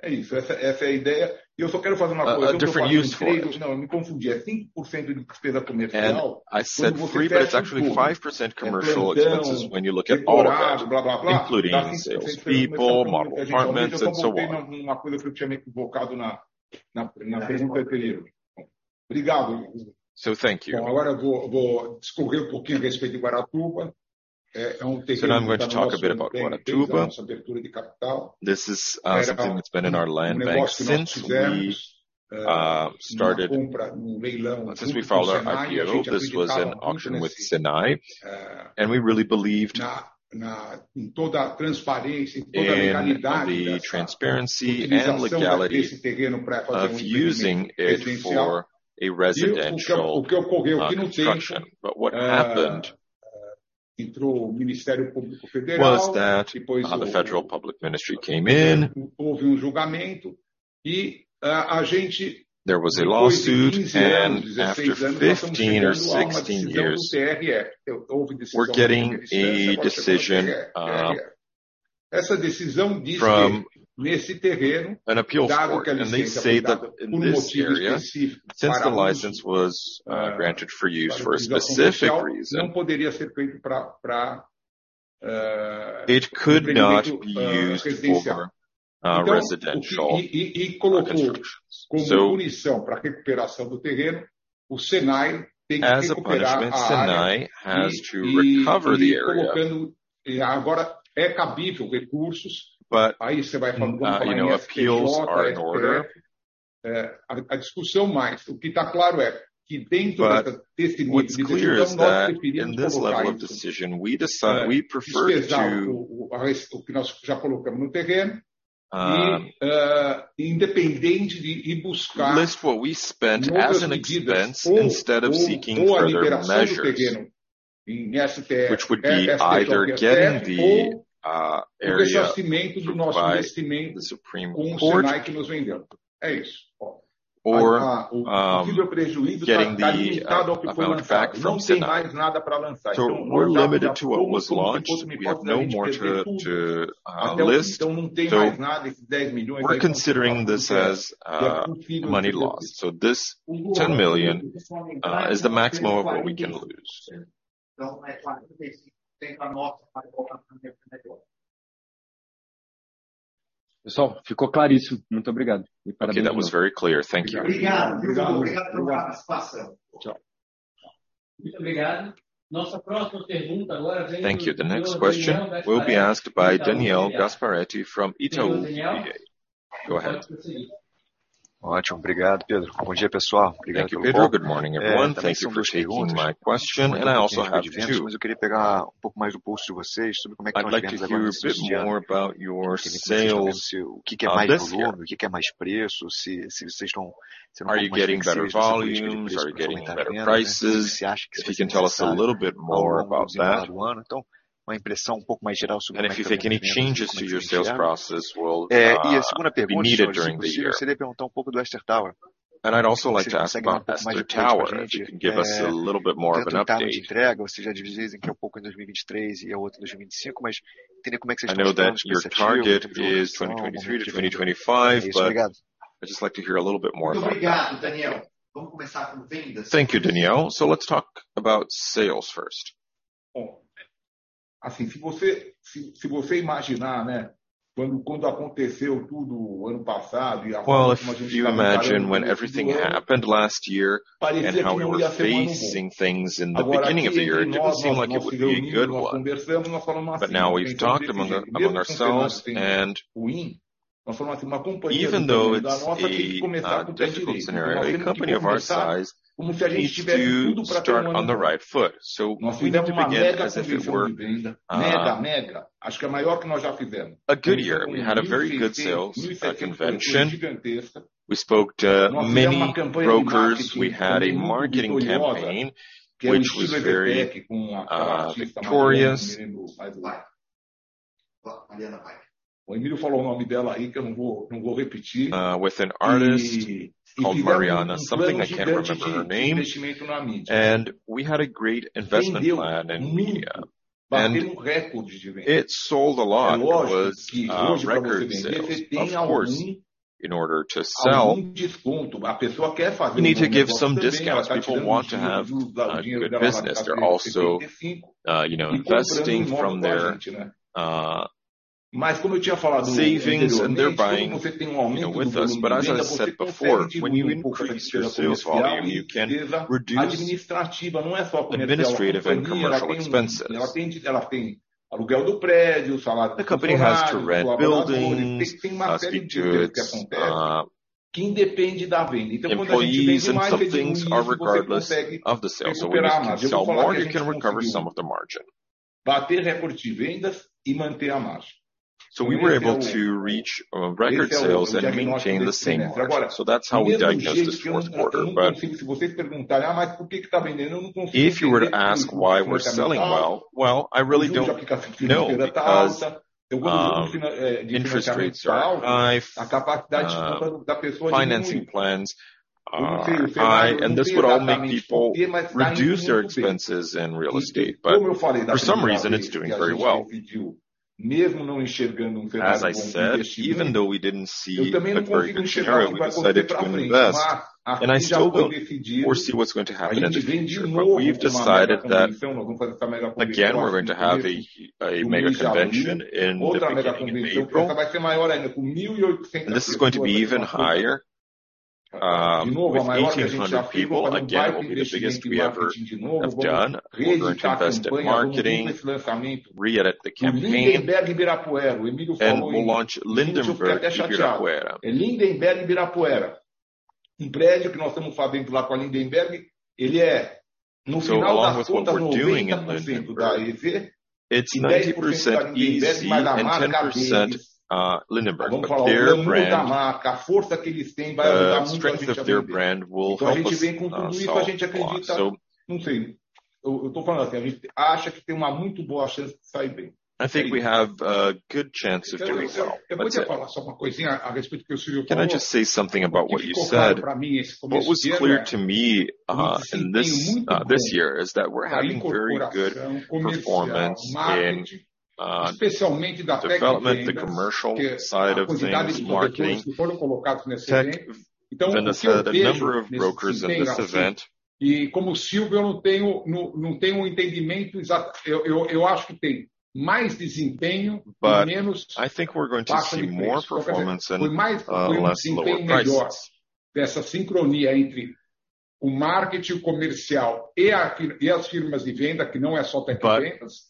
quem sabe, é, distribui, eu não sei. Talvez distribua pra carregar o terreno para a 13.75. É isso, essa é a ideia. Eu só quero fazer uma coisa. Quando eu falo em 3, não, eu me confundi. É 5% de despesa comercial quando você fecha tudo. É plantão, é encoragem, blá-blá-blá. Tá? 5% de despesa comercial que a gente tem. Eu voltei numa coisa que eu tinha me equivocado na, na vez anterior. Obrigado, Hugo. Thank you. Agora vou discorrer um pouquinho a respeito de Guaratuba. É um terreno que a nossa empresa tem desde a nossa abertura de capital. Now I'm going to talk a bit about Guaratuba. This is something that's been in our land bank since we started. Era um negócio que nós fizemos numa compra num leilão junto com o SENAI. Since we followed our IPO, this was an auction with SENAI. A gente acreditava muito nesse. we really believed- Na, em toda a transparência, em toda a legalidade. In the transparency and legality- Utilização desse terreno para fazer um empreendimento residencial. O que ocorreu aqui no tempo. Of using it for a residential construction. what happened- Entrou o Ministério Público Federal. Was that, the Federal Public Ministry came in. Houve um julgamento e, There was a lawsuit, after 15 or 16 years... Depois de 15 anos, 16 anos, nós estamos chegando a uma decisão do TRE. Houve decisão monocrática, agora chegou no TRE. Essa decisão diz que nesse terreno, dado que a licença foi dada por um motivo específico para uso, para utilização comercial... We're getting a decision, from an appeals court, and they say that in this area, since the license was granted for use for a specific reason. Não poderia ser feito pra. It could not be used for residential constructions. Empreendimento residencial. e colocou como punição pra recuperação do terreno, o SENAI tem que recuperar a área. ele colocando, agora é cabível recursos. As a punishment, SENAI has to recover the area. Aí cê vai falar em STJ, STF. you know, appeals are in order. A discussão mais. O que tá claro é que dentro dessa decisão, nós preferimos polarizar. What's clear is that in this level of decision, we prefer. Despesar o que nós já colocamos no terreno. Independente de ir buscar outras medidas ou a liberação do terreno em STJ, STF, ou o ressarcimento do nosso investimento com o SENAI que nos vendeu. É isso. Aí o possível prejuízo tá limitado ao que foi lançado. Não tem mais nada pra lançar. O máximo já foi o que a gente pode, a gente perdeu tudo até o momento. Não tem mais nada, esses BRL 10 million vai continuar sendo o teto do possível prejuízo. List what we spent as an expense instead of seeking further measures, which would be either getting the area to provide the Supreme Court. Não tem mais nada, esses BRL 10 million vai continuar sendo o teto do possível prejuízo. O do ano, isso vai aumentar até 45%. É 45% a nossa para colocar no nosso negócio. Pessoal, ficou claríssimo. Muito obrigado. Parabéns. Okay, that was very clear. any changes to your sales process will be needed during the year. A segunda pergunta, Senhor Silvio, se possível, seria perguntar um pouco do Esther Tower. Se você consegue passar um pouco mais de detalhes pra gente, tanto em termos de entrega, você já divisou entre um pouco em 2023 e a outra em 2025, mas entender como é que vocês estão olhando essa visão, como que vocês estão ao longo do remainder. É isso, obrigado. I'd also like to ask about Esther Tower, if you can give us a little bit more of an update. I know that your target is 2023-2025, I'd just like to hear a little bit more about it. Muito obrigado, Daniel. Vamo começar com vendas. Thank you, Daniel. Let's talk about sales first. Bom, assim, se você imaginar, né, quando aconteceu tudo ano passado e a forma como a gente estava olhando o começo do ano, parecia que não ia ser ano bom. Agora aqui, nós nos reunimos, nós conversamos, nós falamos assim: "A gente tem que entender mesmo que o cenário seja ruim", nós falamos assim: "Uma companhia do tamanho da nossa tem que começar com o pé direito, nós temos que começar como se a gente tivesse tudo pra ter um ano bom." Nós tivemos uma mega convenção de venda. Mega, mega. Acho que a maior que nós falou aí, a gente ficou até chateado. É Lindenberg Ibirapuera, um prédio que nós estamos fazendo lá com a Lindenberg, ele é, no final das contas, 90% da EC e 10% da Lindenberg. A marca deles, vamos falar o nome da marca, a força que eles têm vai ajudar muito a gente a vender. A gente vem com tudo, a gente acredita, não sei, eu tô falando assim, a gente acha que tem uma muito boa chance de sair bem. Aí. Can I just say something about what you said? Eu queria falar só uma coisinha a respeito do que o Silvio falou. What was clear to me in this year is that we're having very good performance in development, the commercial side of things, marketing. O que ficou claro pra mim esse começo de ano é um desempenho muito bom da incorporação comercial, marketing, especialmente da Tec Vendas, que a quantidade de corretores que foram colocados nesse evento. O que eu vejo nesse primeiro semestre a number of brokers in this event. Como o Silvio, eu não tenho um entendimento eu acho que tem mais desempenho com menos baixa de preço. Qualquer coisa. Foi um desempenho melhor dessa sincronia entre o marketing comercial e as firmas de venda, que não é só a Tec Vendas,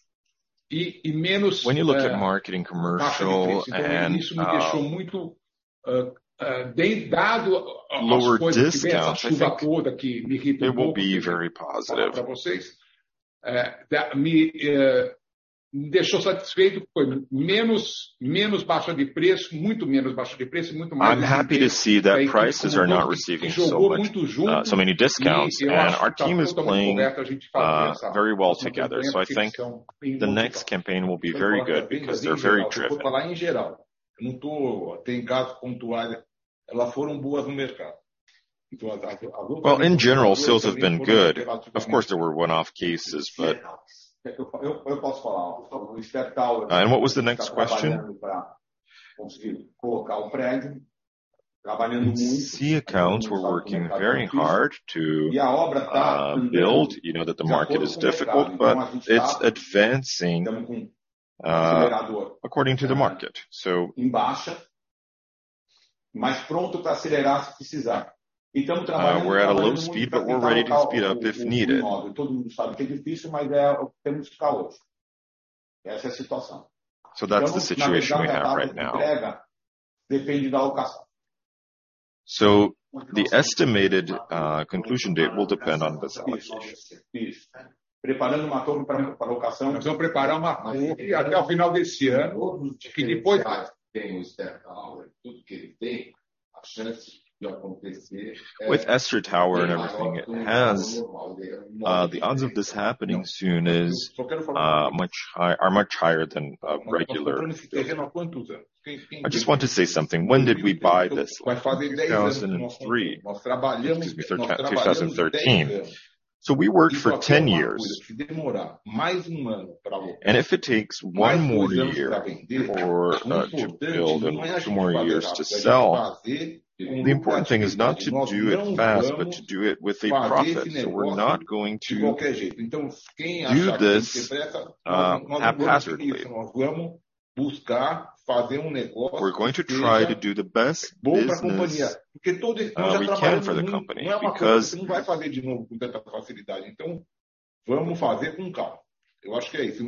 e menos baixa de preço. Isso me deixou muito bem dado às coisas que vem, essa chuva toda que me irrita um pouco, deixa eu falar pra vocês. Me deixou satisfeito, foi menos baixa de preço, muito menos baixa de preço e muito mais desempenho. Foi um conjunto que jogou muito junto e eu acho que está pronta uma coleta, a gente faz a campanha. Vamos manter o tempo que eles estão indo muito bem. Agora as vendas em geral, se for falar em geral, tem caso pontual, elas foram boas no mercado. Well, in general, sales have been good. Of course, there were one-off cases, but... Geniais. O que é que eu posso falar. What was the next question? A gente está trabalhando para conseguir colocar o prédio, trabalhando muito. A gente começou a colocar no mercado difícil e a obra está, primeiro, já foram entregados. A gente tá, tamo com acelerador, é, em baixa, mas pronto pra acelerar se precisar. Tamo trabalhando muito pra tentar o call o módulo. Todo mundo sabe que é difícil, mas é, temos que ficar hoje. Essa é a situação. That's the situation we have right now. Navegar na data de entrega depende da locação. The estimated conclusion date will depend on this allocation. Isso, preparando uma torre pra locação. Nós vamos preparar uma torre até o final desse ano. Tudo que ele tem, a chance de acontecer é bem maior do que o normal de um imóvel de escritório. Não. Só quero falar uma coisa. Nós estamos comprando esse terreno há quantos anos? Tem fim de ano. Vai fazer 10 anos que nós trabalhamos 10 anos. Fazer uma coisa, se demorar mais 1 ano pra locar, mais 2 anos pra vender, o importante não é a gente fazer a torre, é fazer um negócio. Nós não vamos fazer esse negócio de qualquer jeito. Quem achar que a gente quer pressa, nós não queremos isso. Nós vamos buscar fazer um negócio que seja bom pra companhia, porque todo esse tempo a gente trabalhando junto, não é uma coisa que a gente vai fazer de novo com tanta facilidade. Vamo fazer com calma. Eu acho que é isso. O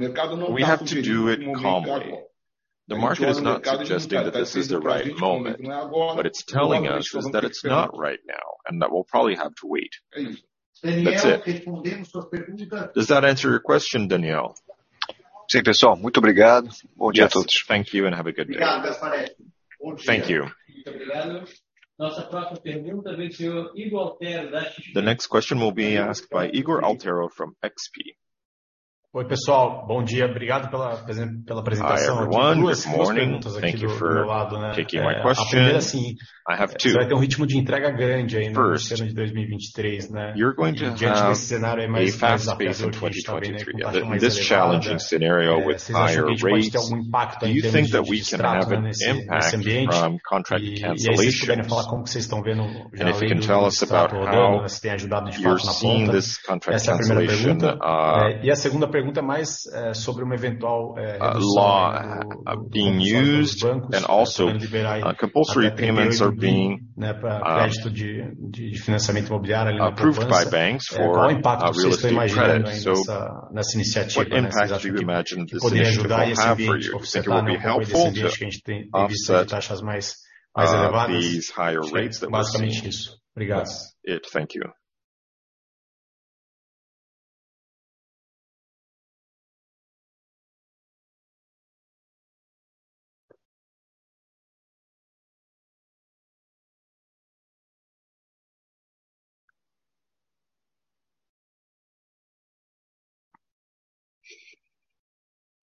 mercado não tá sugerindo que o momento é agora. O mercado indica que a certeza pra gente vender não é agora, nós precisamos esperar. É isso. Daniel, respondemos sua pergunta? Does that answer your question, Daniel? Pessoal, muito obrigado. Bom dia a todos. Yes, thank you and have a good day. Obrigado, Aparecido. Bom dia. Thank you. Muito obrigado. Nossa próxima pergunta vem do Senhor Ygor Altero, da XP. The next question will be asked by Ygor Altero from XP. Oi, pessoal, bom dia. Obrigado pela apresentação. Eu tenho duas pequenas perguntas aqui do meu lado, né? A primeira assim: Você vai ter um ritmo de entrega grande ainda para o ano de 2023, né? Diante desse cenário aí mais pesado que a gente também vê com a taxa mais elevada, vocês acham que a gente pode ter algum impacto aí em termos de distratos, né, nesse ambiente? Aí se vocês puderem falar como que vocês estão vendo já o efeito do distrato ou como que vocês têm ajudado de fato na ponta. Essa é a primeira pergunta. A segunda pergunta é mais sobre uma eventual redução do compulsório pelos bancos, né, para poder liberar aí até BRL 1 billion, né, para crédito de financiamento imobiliário ali na poupança. Qual o impacto que vocês tão imaginando aí nessa iniciativa, né? Vocês acham que poderia ajudar esse ambiente, compensar um pouco aí desse ambiente que a gente tem visto de taxas mais elevadas? Chega aí basicamente isso. Obrigado.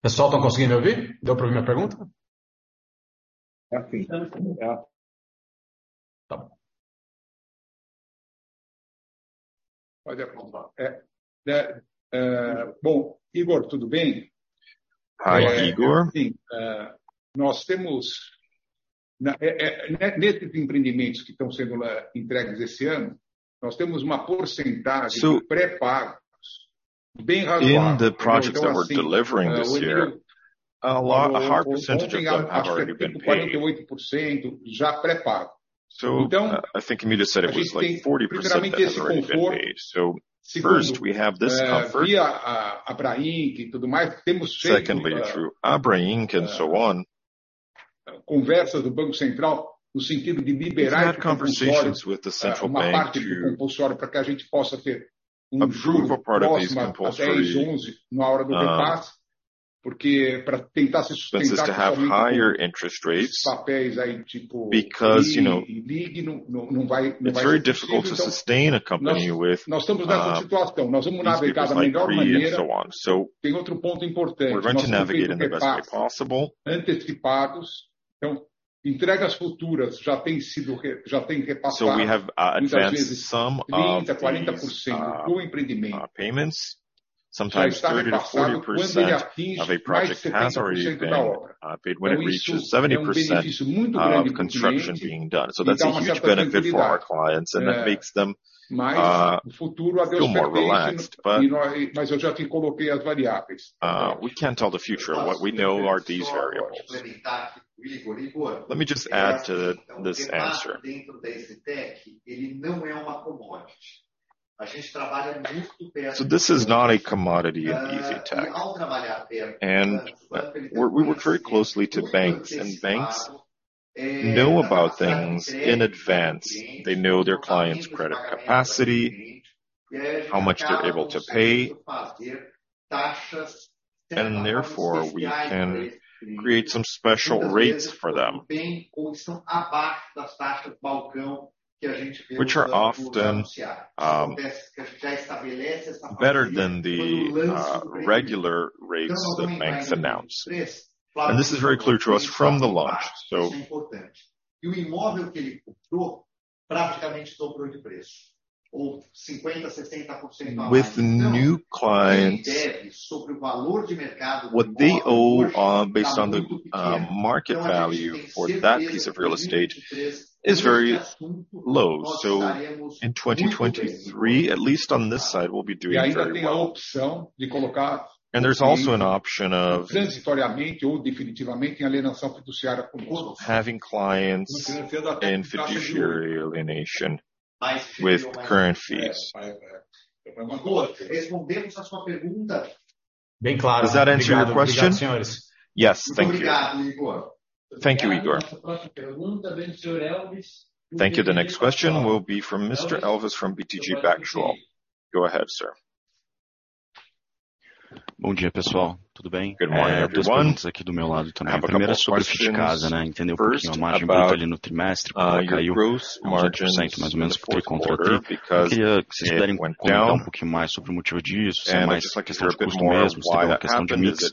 That's it. Thank you. Pessoal, tão conseguindo me ouvir? Deu pra ouvir minha pergunta? Sim. Tá. Pode afrontar. É, né, bom, Ygor, tudo bem? Hi, Ygor. Nós temos na nesses empreendimentos que tão sendo entregues esse ano, nós temos uma porcentagem de pré-pagos bem razoável. Ontem, acho que era tipo 48% já pré-pago. A gente tem primeiramente esse conforto. Segundo, via ABRAINC e tudo mais, temos tido conversa do Banco Central no sentido de liberar esse compulsório, uma parte do compulsório pra que a gente possa ter um juro próxima a 10, 11, na hora do repasse, porque pra tentar se sustentar com esses papéis aí, tipo CRI e LIG, não vai ser possível. Nós estamos nessa situação. Nós vamos navegar da melhor maneira. Tem outro ponto importante: nós temos feito repasses antecipados. Entregas futuras já têm repassado, muitas vezes 30%, 40% do empreendimento. Já está repassado quando ele atinge mais de 70% da obra. Isso é um benefício muito grande pro cliente e dá uma certa tranquilidade, né? O futuro a Deus pertence, mas eu já te coloquei as variáveis. Tá? We can tell the future. What we know are these variables. Só complementar aqui pro Igor. Let me just add to this answer. O repasse dentro da EZTEC, ele não é uma commodity. A gente trabalha muito perto dos bancos. This is not a commodity in EZTEC. Ao trabalhar perto, tanto que a gente tem um relacionamento muito antecipado, nós sabemos das necessidades do cliente, sabemos da capacidade do cliente, a gente fica num certo de fazer taxas, tentar algo especiais para esse cliente. Muitas vezes bem ou estão abaixo das taxas balcão que a gente vê nos bancos anunciados. A gente já estabelece essa parceria quando o lance do empreendimento. Aumenta aí o preço. Claro que tem um aumento de preço, mas isso é importante. O imóvel que ele comprou praticamente dobrou de preço, ou 50%, 60% a mais. O que ele deve sobre o valor de mercado do imóvel hoje tá muito pequeno. A gente tem certeza que os vídeos de preços, nesse assunto, nós estaremos muito bem nesse momento de mercado. Ainda tem a opção de colocar o cliente, transitoriamente ou definitivamente, em alienação fiduciária com outros financiamentos, financiando até 30%. With current fees. Ygor, respondemos a sua pergunta? Does that answer your question? Bem clara. Obrigado. Obrigado, senhores. Yes. Thank you. Muito obrigado, Ygor. Thank you, Ygor. A nossa próxima pergunta vem do senhor Elvis, do BTG Pactual. Thank you. The next question will be from Mr. Elvis from BTG Pactual. Go ahead, sir. Bom dia, pessoal. Tudo bem? Good morning, everyone. Duas perguntas aqui do meu lado também. A primeira sobre o FitCasa, né? Entender um pouquinho a margem bruta ali no trimestre, como é que caiu 30%, mais ou menos, entre contra tri. Eu queria que cês pudessem comentar um pouquinho mais sobre o motivo disso, se é mais custo mesmo, se tem alguma questão de mix.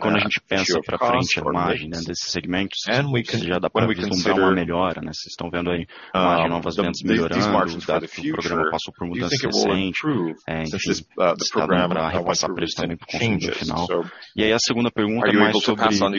Quando a gente pensa pra frente a margem dentro desses segmentos, se já dá pra vislumbrar uma melhora, né? Cês tão vendo aí margem de novas vendas melhorando, o programa passou por mudanças recentes. Enfim, se a gente vai repassar o preço também pro consumidor final. A segunda pergunta é mais sobre a questão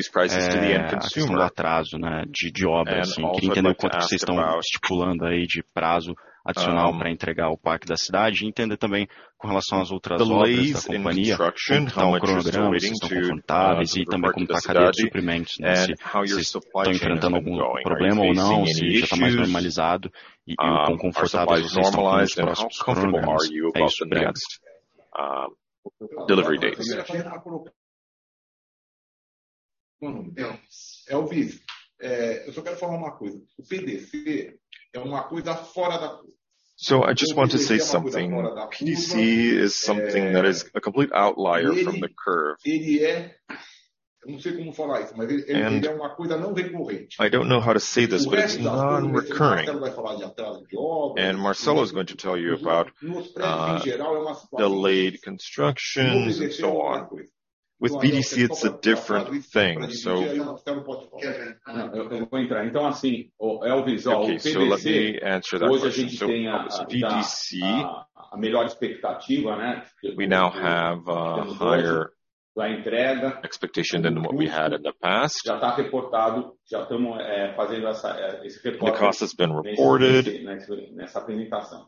do atraso, né, de obras assim. Queria entender quanto que cês tão estipulando aí de prazo adicional pra entregar o Parque da Cidade, e entender também com relação às outras obras da companhia, como tá o cronograma, se estão confortáveis, e também como tá a cadeia de suprimentos, né? Se estão enfrentando algum problema ou não, se já tá mais normalizado, e o quão confortáveis vocês estão com os próximos cronogramas. É isso. Obrigado. Delivery dates. Meu nome é Elvis. Eu só quero falar uma coisa: o PDC é uma coisa fora da curva. I just want to say something. PDC is something that is a complete outlier from the curve. Ele, eu não sei como falar isso, mas ele é uma coisa não recorrente. I don't know how to say this, but it's non-recurring. O resto das coisas, o Marcelo vai falar de atraso de obras. Marcelo is going to tell you about delayed constructions and so on. With PDC, it's a different thing, so... Não, eu vou entrar. Assim, ô Elvis, ó, o PDC, hoje a gente tem a melhor expectativa, né? We now have a higher expectation than what we had in the past. Já tá reportado, já tamo fazendo essa, esse reporte nesse PDC, né? Nessa apresentação.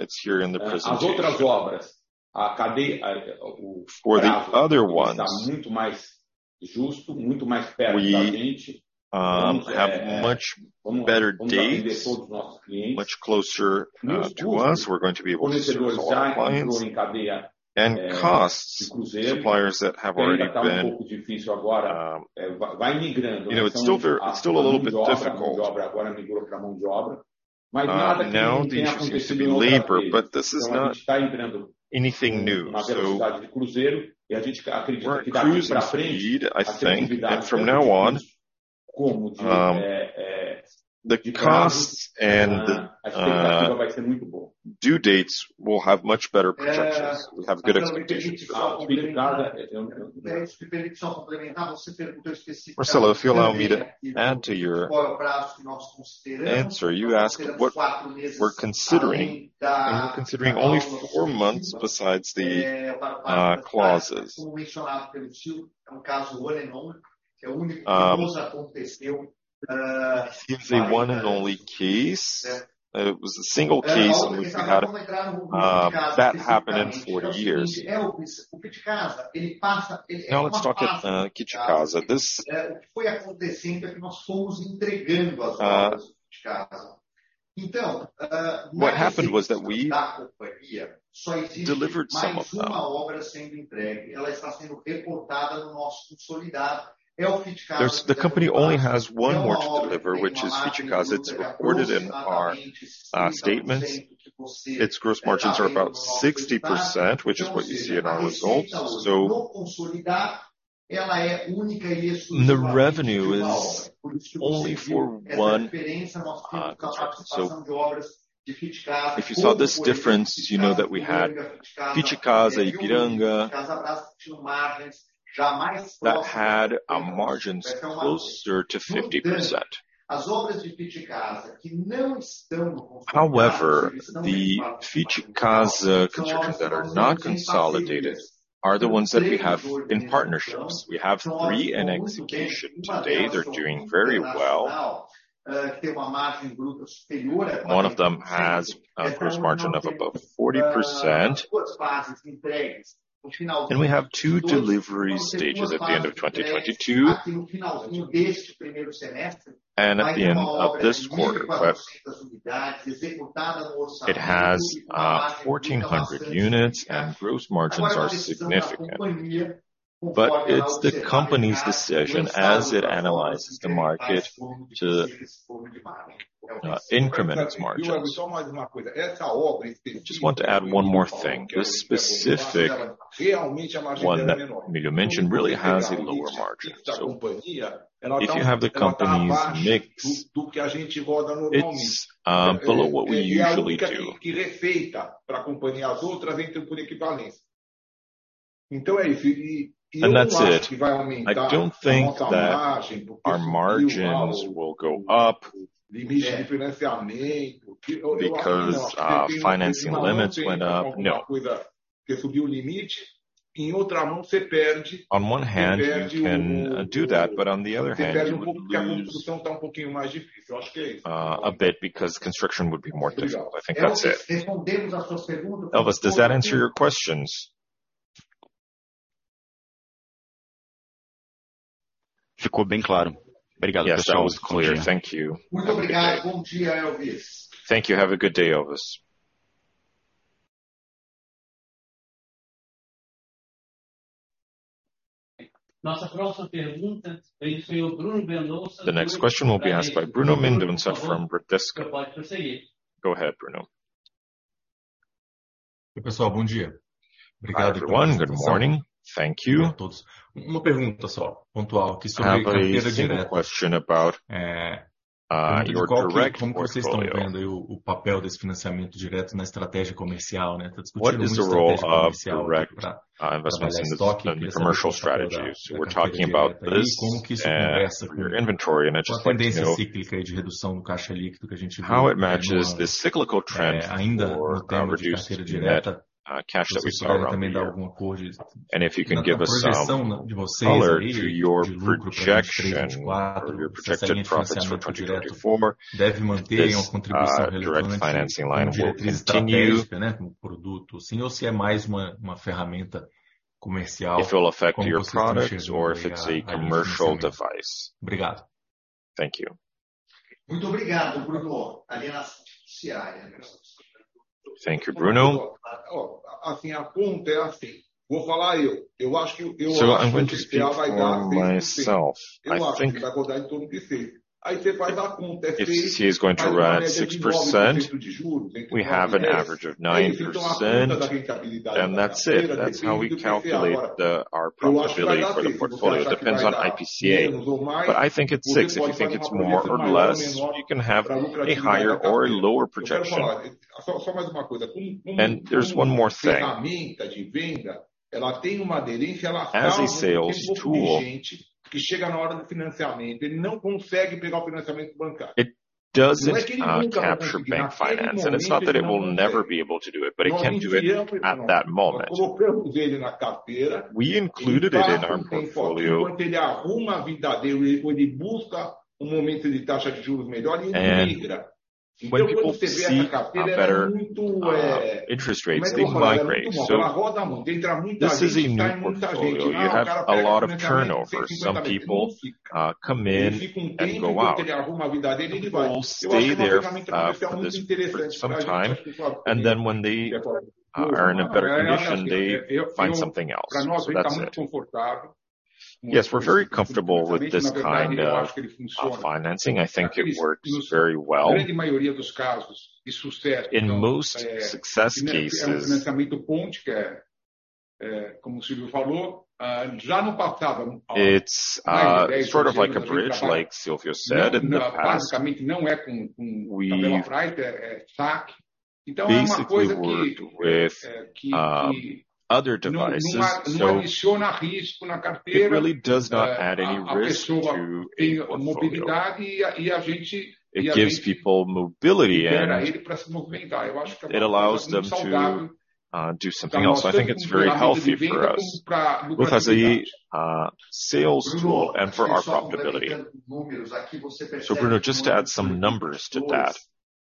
It's here in the presentation. As outras obras, a cadeia, o prazo está muito mais justo, muito mais perto da gente. Vamos atender todos os nossos clientes. Nos custos, o fornecedor já entrou em cadeia de cruzeiro. Período que está um pouco difícil agora, vai migrando, né? A mão de obra agora migrou para mão de obra. Nada que não tenha acontecido em outras vezes. A gente está entrando numa velocidade de cruzeiro e a gente acredita que daqui para frente as entregas vão estar muito mais cômodas, pra gente. A expectativa vai ser muito boa. Marcelo, if you allow me to add to your answer. You asked what we're considering. We're considering only four months besides the clauses. Como mencionado pelo tio, é um caso one and only, que é o único que com nós aconteceu pra, né? It's a one and only case. It was a single case. We've had that happened in four years. Vamos entrar no grupo FitCasa especificamente. É o seguinte: Elvis, o FitCasa, ele passa, ele é uma parte do resultado. Now let's talk at, Fit Casa. O que foi acontecendo é que nós fomos entregando as obras do FitCasa. Na receita da companhia só existe mais uma obra sendo entregue. Ela está sendo reportada no nosso consolidado. That had our margins closer to 50%. The Fit Casa constructions that are not consolidated are the ones that we have in partnerships. We have three in execution today. They're doing very well. One of them has a gross margin of above 40%. We have two delivery stages at the end of 2022. At the end of this quarter. It has 1,400 units, and gross margins are significant. It's the company's decision as it analyzes the market to increment its margins. Elvis, exatamente. Só mais uma coisa: essa obra em específico que o Miguel falou, realmente a margem dela é menor. No mix da companhia, ela tá um pouquinho, ela tá abaixo do que a gente roda normalmente. A única que refeita pra companhia, as outras entram por equivalência. É isso. Eu não acho que vai aumentar a nossa margem, porque o limite de financiamento, eu acho que não. Se você tem uma obra que tem alguma coisa que subiu o limite, em outra mão cê perde, você perde um pouco, porque a construção tá um pouquinho mais difícil. Eu acho que é isso. Elvis, does that answer your questions? Ficou bem claro. Obrigado pessoal. Yes, that was clear. Thank you. Muito obrigado. Bom dia, Elvis. Thank you. Have a good day, Elvis. Nossa próxima pergunta vem do senhor Bruno Mendonça, do Bradesco. The next question will be asked by Bruno Mendonça from Bradesco. Go ahead, Bruno. Oi pessoal, bom dia. Obrigado pela apresentação. Hi, everyone. Good morning. Thank you. Uma pergunta só, pontual, que é sobre a carteira direta. I have a single question about your direct portfolio. Como que vocês tão vendo aí o papel desse financiamento direto na estratégia comercial, né? Tá discutindo muito a estratégia comercial aqui pra trabalhar estoque, principalmente no caso da carteira direta. Como que isso conversa com a tendência cíclica aí de redução do caixa líquido que a gente viu nos, ainda em termos de carteira direta. Você pode também dar algum color de na progressão de vocês aí de lucro pra 2023, 2024, se esse financiamento direto deve manter aí uma contribuição relevante de estratégia, né, como produto assim, ou se é mais uma ferramenta comercial enquanto vocês chegam também aí ao financiamento. Obrigado. Thank you. Muito obrigado, Bruno. Aliança oficiária. Thank you, Bruno. Ó, assim, a conta é assim: vou falar eu. Eu acho que eu acho que o IPCA vai dar 6%. Eu acho, você vai acordar em torno de 6. Aí cê faz a conta, é 6, mas a média é de 9% de juros, entre 9 e 10. Aí você toma a conta da rentabilidade da carteira,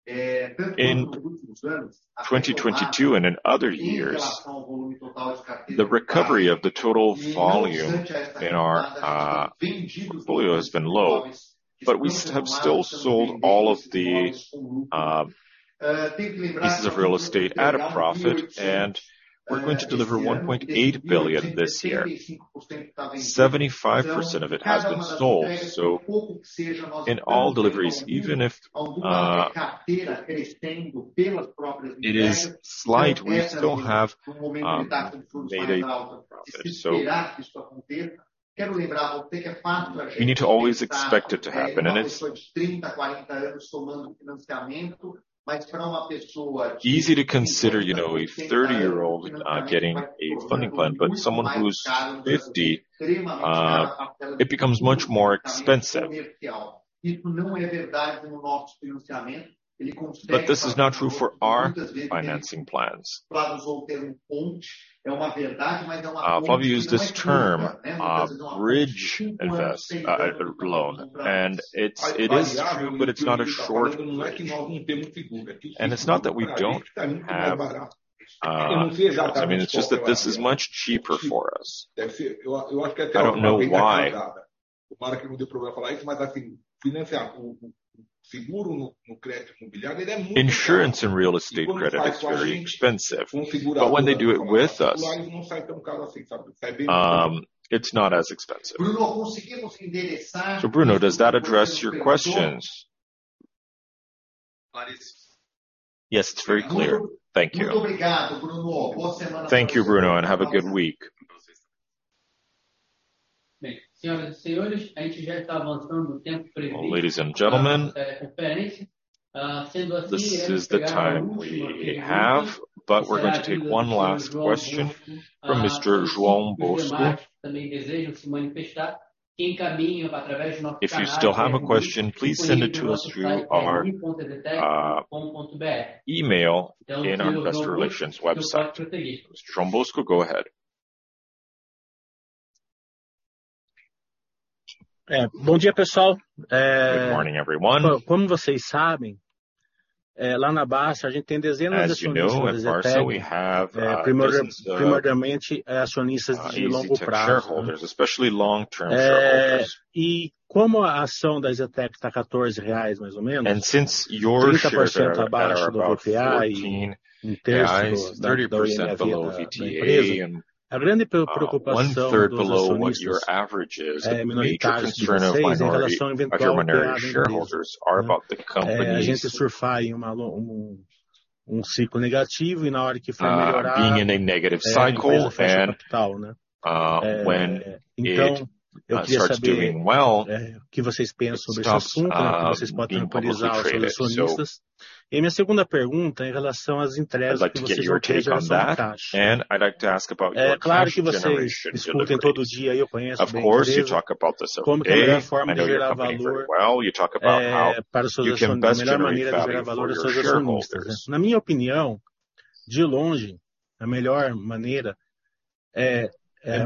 com números. Aqui você percebe nos últimos dois, tanto nos últimos anos, até 2020, em relação ao volume total de carteira, é baixo. Não obstante a esta realidade, acho que foram vendidos imóveis que foram financiados sendo vendidos imóveis com lucro. Tenho que lembrar pra você que nós entregamos BRL 1.8 billion esse ano. Desse BRL 1.8 billion, 75% tava em construção. Cada uma das entregas, por pouco que seja, nós entregamos alguma parte de carteira crescendo pelas próprias entregas. Essa é uma, um momento que tá com fluxo mais alto. Se esperar que isso aconteça, quero lembrar a você que é fácil a gente pensar numa pessoa de 30, 40 anos somando financiamento, pra uma pessoa de 50, 60 anos, o financiamento vai se tornar algo muito mais caro, extremamente caro, até mesmo do ponto de vista comercial. Isso não é verdade no nosso financiamento. Ele consegue falar pra pessoa que muitas vezes o Cláudio usou o termo ponte. É uma verdade, é uma ponte que não é curta, né? Muitas vezes é uma ponte de 5 anos, 6 anos pra poder comprar. If I may use this term, bridge loan. It's, it is true, but it's not a short bridge. Variável, que o Silvio tá falando, não é que nós não temos figura. It's not that we don't have, I mean, it's just that this is much cheaper for us. Pra gente tá muito mais barato. Não fez ainda a conta toda. Eu acho que é até uma boa ideia que eu dada. Tomara que não dê problema falar isso, mas assim, financiar o seguro no crédito imobiliário, ele é muito caro. Quando faz com a gente, com o seguro da própria companhia, não sai tão caro assim, sabe? Sai bem mais barato. Insurance and real estate credit is very expensive. When they do it with us, it's not as expensive. Bruno, conseguimos endereçar aí as perguntas do Senhor Bruno? Bruno, does that address your questions? Claro isso. Yes, it's very clear. Thank you. Muito obrigado, Bruno. Boa semana pra você. Thank you, Bruno, and have a good week. Bem, senhoras e senhores, a gente já está avançando no tempo previsto pra essa teleconferência. Sendo assim, iremos pegar a última pergunta do Senhor João Bosco. Se os investidores também desejam se manifestar, encaminhem através do nosso canal de relations, que fica disponível no nosso site ri.eztec.com.br. Senhor João Bosco, você pode prosseguir. If you still have a question, please send it to us through our email in our press relations website. João Bosco, go ahead. Bom dia, pessoal. Good morning, everyone. Como vocês sabem. Lá na B3, a gente tem dezenas de acionistas da EZTEC, primordialmente acionistas de longo prazo. Como a ação da EZTEC tá BRL 14, mais ou menos, 30% abaixo do VPA e um terço do, da ORN da via, da empresa, a grande preocupação dos acionistas, minoritários, de vocês, é em relação a eventual fechamento da empresa. A gente surfa em um ciclo negativo e na hora que for melhorar, a empresa fecha o capital, né? Eu queria saber, o que vocês pensam sobre esse assunto, né? Como vocês podem tranquilizar os acionistas. A minha segunda pergunta é em relação às entregas que vocês vão ter de geração de caixa. É claro que vocês discutem todo dia, eu conheço bem a empresa, como que é a melhor forma de gerar valor para os seus acionistas. Na minha opinião, de longe, a melhor maneira é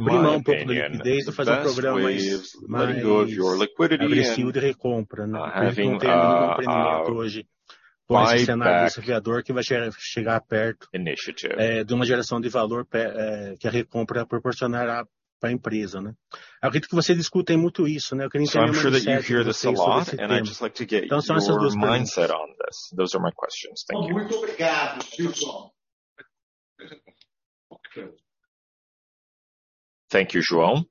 primar um pouco pelo dividend, fazer programas mais agressivo de recompra, né? Porque não tem nenhum empreendimento hoje com esse cenário desafiador que vai chegar perto de uma geração de valor que a recompra proporcionará pra empresa, né? Acredito que vocês discutem muito isso, né? Eu queria que eu tivesse o pensamento de vocês sobre esse tema. São essas duas perguntas. Muito obrigado, João. Thank you, João.